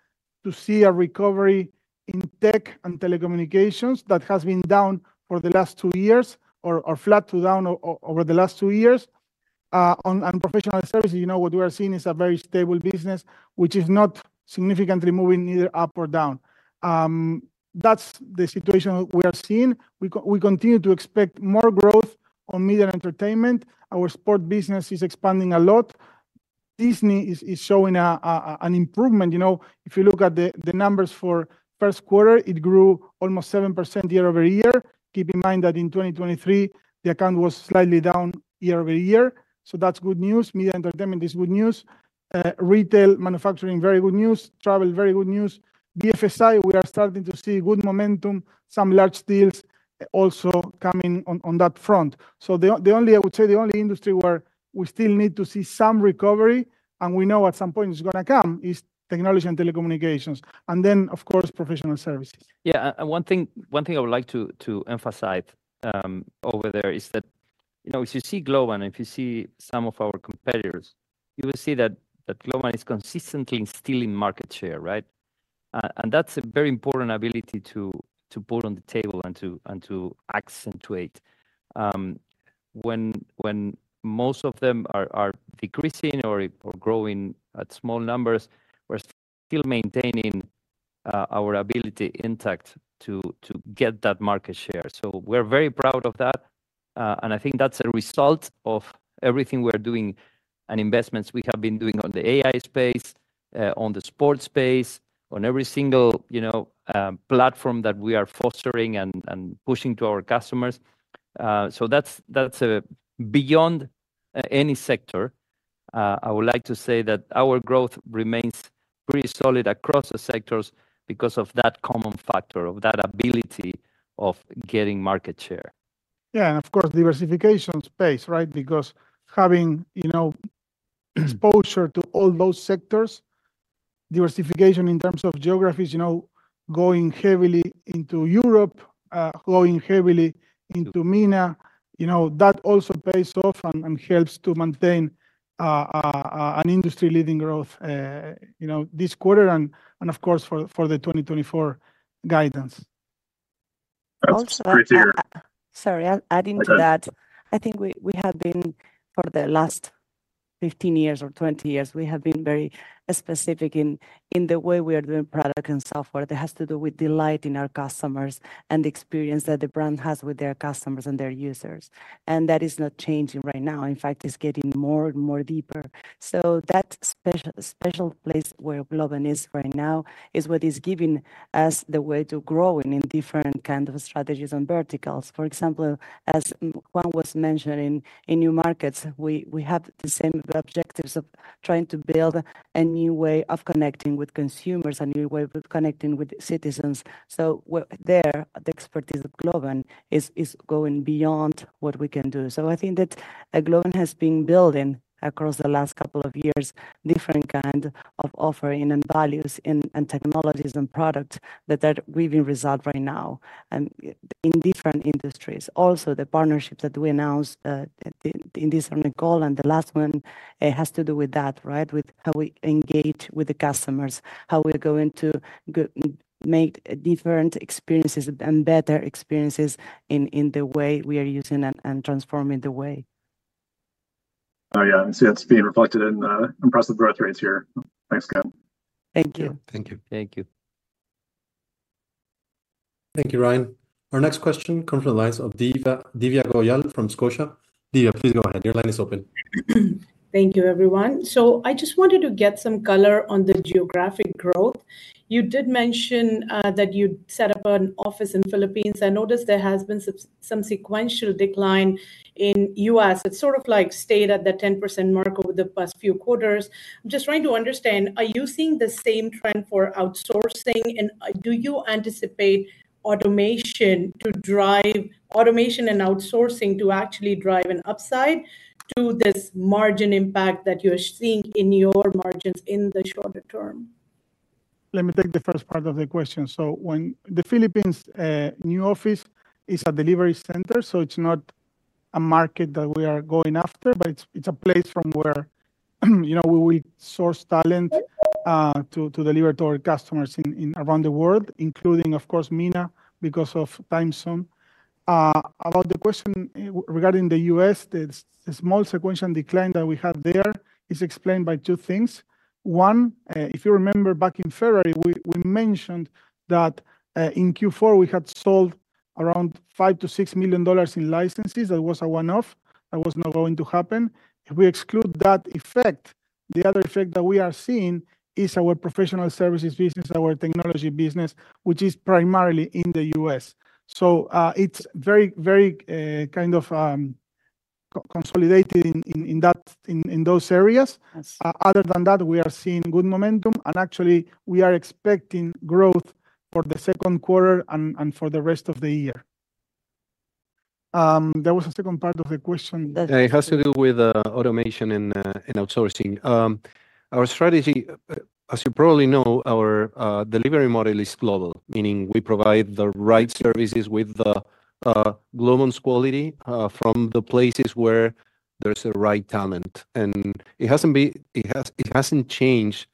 Speaker 5: to see a recovery in tech and telecommunications that has been down for the last two years or flat to down over the last two years. On professional services, you know, what we are seeing is a very stable business, which is not significantly moving either up or down. That's the situation we are seeing. We continue to expect more growth on media and entertainment. Our sport business is expanding a lot. Disney is showing an improvement. You know, if you look at the numbers for first quarter, it grew almost 7% year-over-year. Keep in mind that in 2023, the account was slightly down year-over-year, so that's good news. Media and entertainment is good news. Retail, manufacturing, very good news. Travel, very good news. BFSI, we are starting to see good momentum, some large deals also coming on, on that front. So the only... I would say the only industry where we still need to see some recovery, and we know at some point it's gonna come, is technology and telecommunications, and then, of course, professional services.
Speaker 2: Yeah, and one thing I would like to emphasize over there is that, you know, if you see Globant, if you see some of our competitors, you will see that Globant is consistently stealing market share, right? And that's a very important ability to put on the table and to accentuate. When most of them are decreasing or growing at small numbers, we're still maintaining our ability intact to get that market share. So we're very proud of that, and I think that's a result of everything we're doing and investments we have been doing on the AI space, on the sports space, on every single, you know, platform that we are fostering and pushing to our customers. So that's, that's, beyond any sector. I would like to say that our growth remains pretty solid across the sectors because of that common factor, of that ability of getting market share.
Speaker 5: Yeah, and of course, diversification space, right? Because having, you know, exposure to all those sectors, diversification in terms of geographies, you know, going heavily into Europe, going heavily into MENA, you know, that also pays off and helps to maintain an industry-leading growth, you know, this quarter and of course, for the 2024 guidance.
Speaker 4: Also-
Speaker 5: That's pretty clear.
Speaker 4: Sorry, adding to that.
Speaker 5: Go ahead...
Speaker 4: I think we, we have been for the last 15 years or 20 years, we have been very specific in, in the way we are doing product and software. It has to do with delighting our customers and the experience that the brand has with their customers and their users, and that is not changing right now. In fact, it's getting more and more deeper. So that special, special place where Globant is right now is what is giving us the way to growing in different kind of strategies and verticals. For example, as Juan was mentioning, in new markets, we, we have the same objectives of trying to build a new way of connecting with consumers, a new way of connecting with citizens. So we're- there, the expertise of Globant is, is going beyond what we can do. So I think that, Globant has been building across the last couple of years, different kind of offering and values and technologies and product that are really result right now, and in different industries. Also, the partnerships that we announced, in this on the call and the last one, has to do with that, right? With how we engage with the customers, how we're going to make different experiences and better experiences in the way we are using and transforming the way.
Speaker 11: Oh, yeah, and see that's being reflected in impressive growth rates here. Thanks, guys.
Speaker 4: Thank you.
Speaker 5: Thank you.
Speaker 2: Thank you.
Speaker 1: Thank you, Ryan. Our next question comes from the line of Divya, Divya Goyal from Scotia. Divya, please go ahead. Your line is open.
Speaker 12: Thank you, everyone. So I just wanted to get some color on the geographic growth. You did mention that you'd set up an office in Philippines. I noticed there has been some, some sequential decline in U.S. It's sort of like stayed at the 10% mark over the past few quarters. I'm just trying to understand, are you seeing the same trend for outsourcing, and do you anticipate automation to drive... automation and outsourcing to actually drive an upside to this margin impact that you're seeing in your margins in the shorter term?
Speaker 5: Let me take the first part of the question. So when the Philippines new office is a delivery center, so it's not a market that we are going after, but it's a place from where, you know, we source talent to deliver to our customers in around the world, including, of course, MENA, because of time zone. About the question regarding the U.S., the small sequential decline that we have there is explained by two things. One, if you remember back in February, we mentioned that in Q4, we had sold around $5 million-$6 million in licenses. That was a one-off. That was not going to happen. If we exclude that effect, the other effect that we are seeing is our professional services business, our technology business, which is primarily in the U.S. It's very, very kind of consolidated in those areas.
Speaker 2: Yes.
Speaker 5: Other than that, we are seeing good momentum, and actually we are expecting growth for the second quarter and for the rest of the year. There was a second part of the question that-
Speaker 2: It has to do with automation and outsourcing. Our strategy, as you probably know, our delivery model is global, meaning we provide the right services with the Globant's quality from the places where there's the right talent. And it hasn't been. It hasn't changed.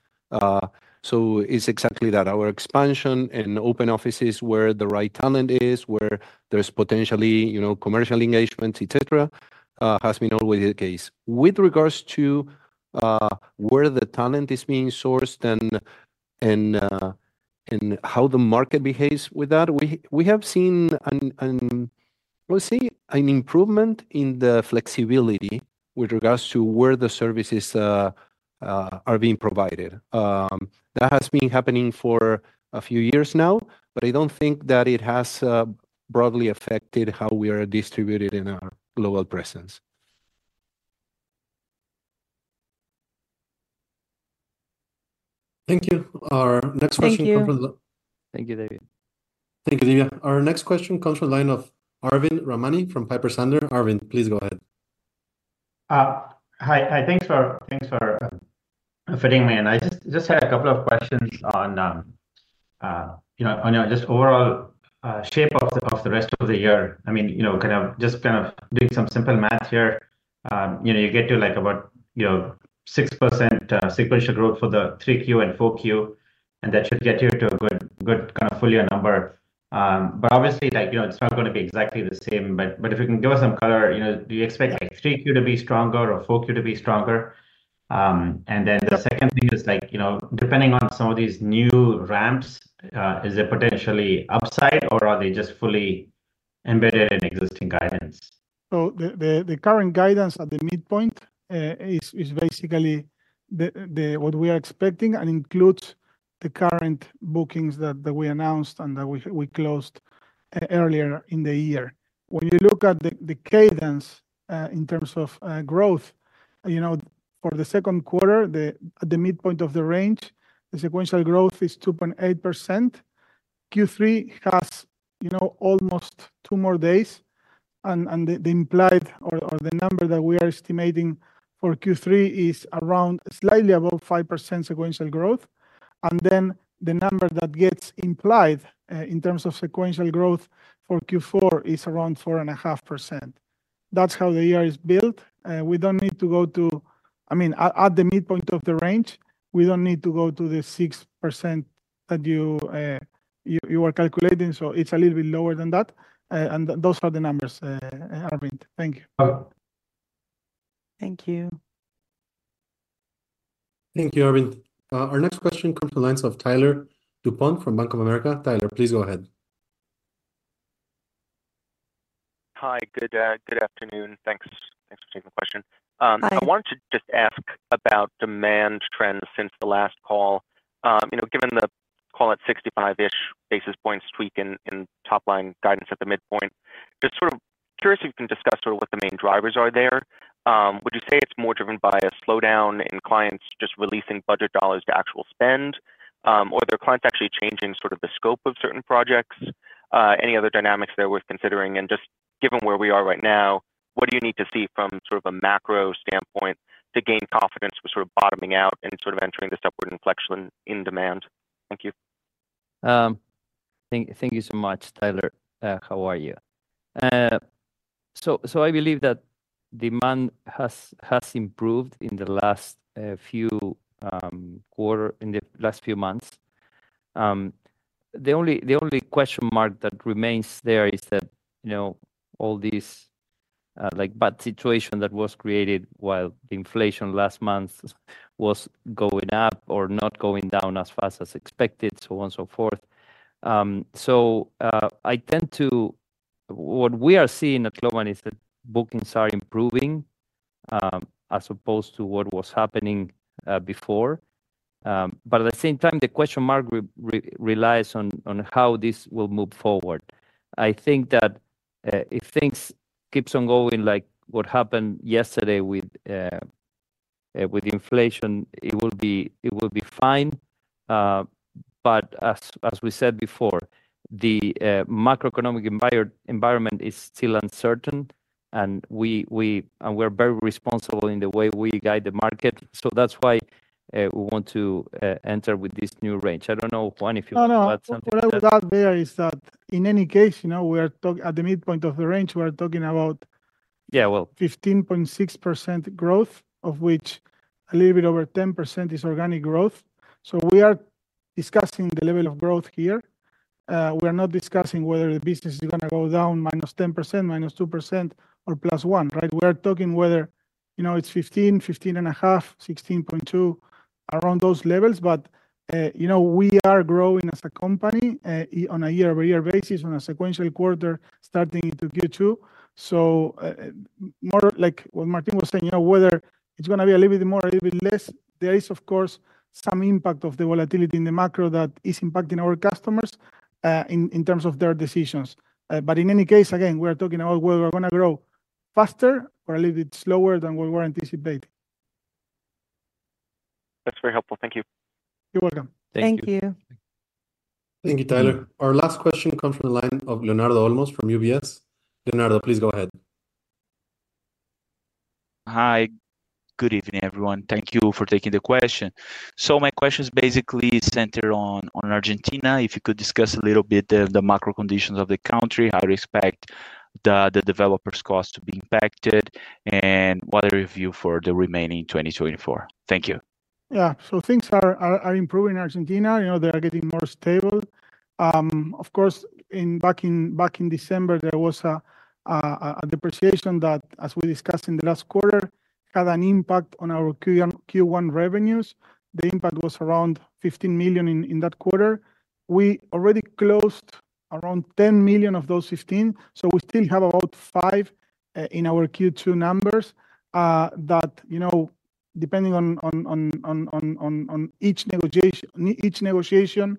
Speaker 2: So it's exactly that. Our expansion and open offices where the right talent is, where there's potentially, you know, commercial engagements, et cetera, has been always the case. With regards to where the talent is being sourced and how the market behaves with that, we have seen, well, say, an improvement in the flexibility with regards to where the services are being provided. That has been happening for a few years now, but I don't think that it has broadly affected how we are distributed in our global presence.
Speaker 1: Thank you. Our next question comes from-
Speaker 3: Thank you, Divya.
Speaker 12: Thank you, Diego.
Speaker 1: Our next question comes from line of Arvind Ramani from Piper Sandler. Arvind, please go ahead.
Speaker 13: Hi, hi. Thanks for fitting me in. I just had a couple of questions on, you know, just overall shape of the rest of the year. I mean, you know, kind of just kind of doing some simple math here, you know, you get to like about you know 6% sequential growth for the three Q and four Q, and that should get you to a good good kind of full year number. But obviously, like, you know, it's not gonna be exactly the same, but if you can give us some color, you know, do you expect like three Q to be stronger or four Q to be stronger? And then the second thing is like, you know, depending on some of these new ramps, is it potentially upside or are they just fully embedded in existing guidance?
Speaker 5: So the current guidance at the midpoint is basically what we are expecting and includes the current bookings that we announced and that we closed earlier in the year. When you look at the cadence in terms of growth, you know, for the second quarter, at the midpoint of the range, the sequential growth is 2.8%. Q3 has, you know, almost two more days, and the implied or the number that we are estimating for Q3 is around slightly above 5% sequential growth. And then the number that gets implied in terms of sequential growth for Q4 is around 4.5%. That's how the year is built. We don't need to go to—I mean, at the midpoint of the range, we don't need to go to the 6% that you were calculating, so it's a little bit lower than that. Those are the numbers, Arvind. Thank you.
Speaker 13: Uh-
Speaker 4: Thank you.
Speaker 1: Thank you, Arvind. Our next question comes from the line of Tyler Dupont from Bank of America. Tyler, please go ahead.
Speaker 14: Hi, good, good afternoon. Thanks. Thanks for taking the question.
Speaker 2: Hi.
Speaker 14: I wanted to just ask about demand trends since the last call. You know, given the call at 65-ish basis points tweak in top-line guidance at the midpoint, just sort of curious if you can discuss sort of what the main drivers are there. Would you say it's more driven by a slowdown in clients just releasing budget dollars to actual spend, or are clients actually changing sort of the scope of certain projects? Any other dynamics there worth considering? And just given where we are right now, what do you need to see from sort of a macro standpoint to gain confidence we're sort of bottoming out and sort of entering this upward inflection in demand? Thank you.
Speaker 2: Thank you so much, Tyler. How are you? So I believe that demand has improved in the last few quarter in the last few months. The only question mark that remains there is that, you know, all these like bad situation that was created while the inflation last month was going up or not going down as fast as expected, so on, so forth. What we are seeing at Globant is that bookings are improving, as opposed to what was happening, before. But at the same time, the question mark relies on how this will move forward. I think that if things keeps on going like what happened yesterday with inflation, it will be fine. But as we said before, the macroeconomic environment is still uncertain, and we're very responsible in the way we guide the market. So that's why we want to enter with this new range. I don't know, Juan, if you want to add something.
Speaker 5: No, no, what I would add there is that, in any case, you know, we are talking at the midpoint of the range, we are talking about-
Speaker 2: Yeah, well-...
Speaker 5: 15.6% growth, of which a little bit over 10% is organic growth. So we are discussing the level of growth here. We are not discussing whether the business is gonna go down -10%, -2%, or +1%, right? We are talking whether, you know, it's 15%, 15.5%, 16.2%, around those levels. But, you know, we are growing as a company, on a year-over-year basis, on a sequential quarter starting in Q2. So, more like what Martín was saying, you know, whether it's gonna be a little bit more or a little bit less, there is of course, some impact of the volatility in the macro that is impacting our customers, in terms of their decisions. But in any case, again, we are talking about whether we're gonna grow faster or a little bit slower than we were anticipating.
Speaker 14: That's very helpful. Thank you.
Speaker 5: You're welcome. Thank you.
Speaker 1: Thank you, Tyler. Our last question comes from the line of Leonardo Olmos from UBS. Leonardo, please go ahead.
Speaker 15: Hi. Good evening, everyone. Thank you for taking the question. So my question is basically centered on Argentina. If you could discuss a little bit the macro conditions of the country, how do you expect the developers' costs to be impacted, and what are your view for the remaining 2024? Thank you.
Speaker 5: Yeah. So things are improving in Argentina. You know, they are getting more stable. Of course, back in December, there was a depreciation that, as we discussed in the last quarter, had an impact on our Q1 revenues. The impact was around $15 million in that quarter. We already closed around $10 million of those $15 million, so we still have about $5 million in our Q2 numbers. That, you know, depending on each negotiation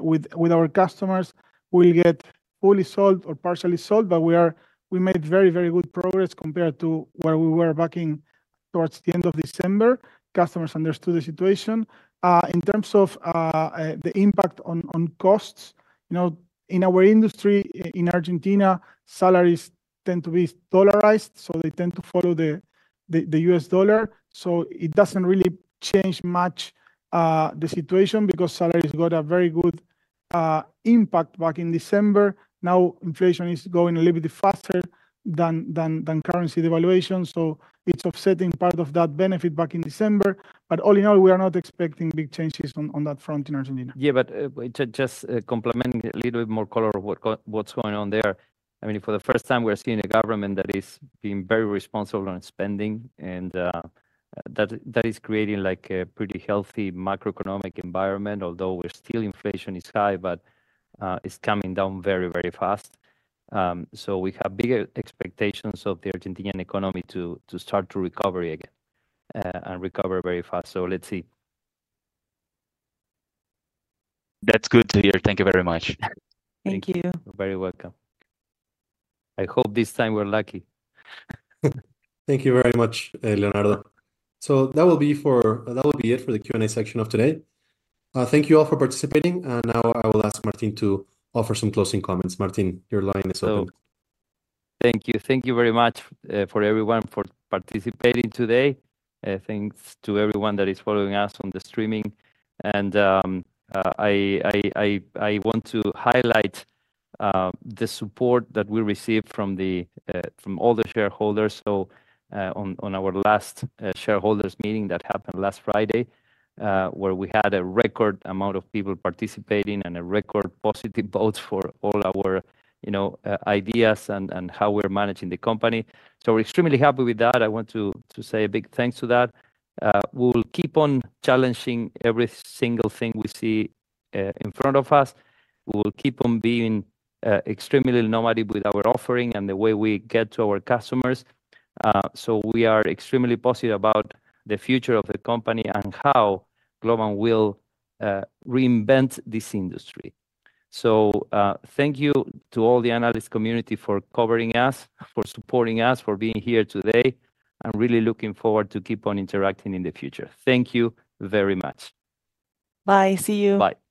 Speaker 5: with our customers, will get fully solved or partially solved, but we made very, very good progress compared to where we were back towards the end of December. Customers understood the situation. In terms of the impact on costs, you know, in our industry, in Argentina, salaries tend to be dollarized, so they tend to follow the US dollar. So it doesn't really change much the situation, because salaries got a very good impact back in December. Now inflation is going a little bit faster than currency devaluation, so it's offsetting part of that benefit back in December. But all in all, we are not expecting big changes on that front in Argentina.
Speaker 2: Yeah, but, to just, complement a little bit more color of what's going on there, I mean, for the first time, we're seeing a government that is being very responsible on spending, and, that, that is creating like a pretty healthy macroeconomic environment. Although we're still inflation is high, but, it's coming down very, very fast. So we have bigger expectations of the Argentine economy to, to start to recovery again, and recover very fast. So let's see.
Speaker 15: That's good to hear. Thank you very much.
Speaker 2: Thank you.
Speaker 5: Thank you.
Speaker 15: You're very welcome. I hope this time we're lucky.
Speaker 1: Thank you very much, Leonardo. So that will be it for the Q&A section of today. Thank you all for participating, and now I will ask Martín to offer some closing comments. Martín, your line is open.
Speaker 2: So thank you. Thank you very much for everyone for participating today. Thanks to everyone that is following us on the streaming. And I want to highlight the support that we received from the from all the shareholders. So on our last shareholders' meeting that happened last Friday where we had a record amount of people participating and a record positive votes for all our you know ideas and and how we're managing the company. So we're extremely happy with that. I want to say a big thanks to that. We will keep on challenging every single thing we see in front of us. We will keep on being extremely innovative with our offering and the way we get to our customers. So we are extremely positive about the future of the company and how Globant will reinvent this industry. So, thank you to all the analyst community for covering us, for supporting us, for being here today. I'm really looking forward to keep on interacting in the future. Thank you very much.
Speaker 5: Bye. See you.
Speaker 2: Bye.
Speaker 1: Bye-bye.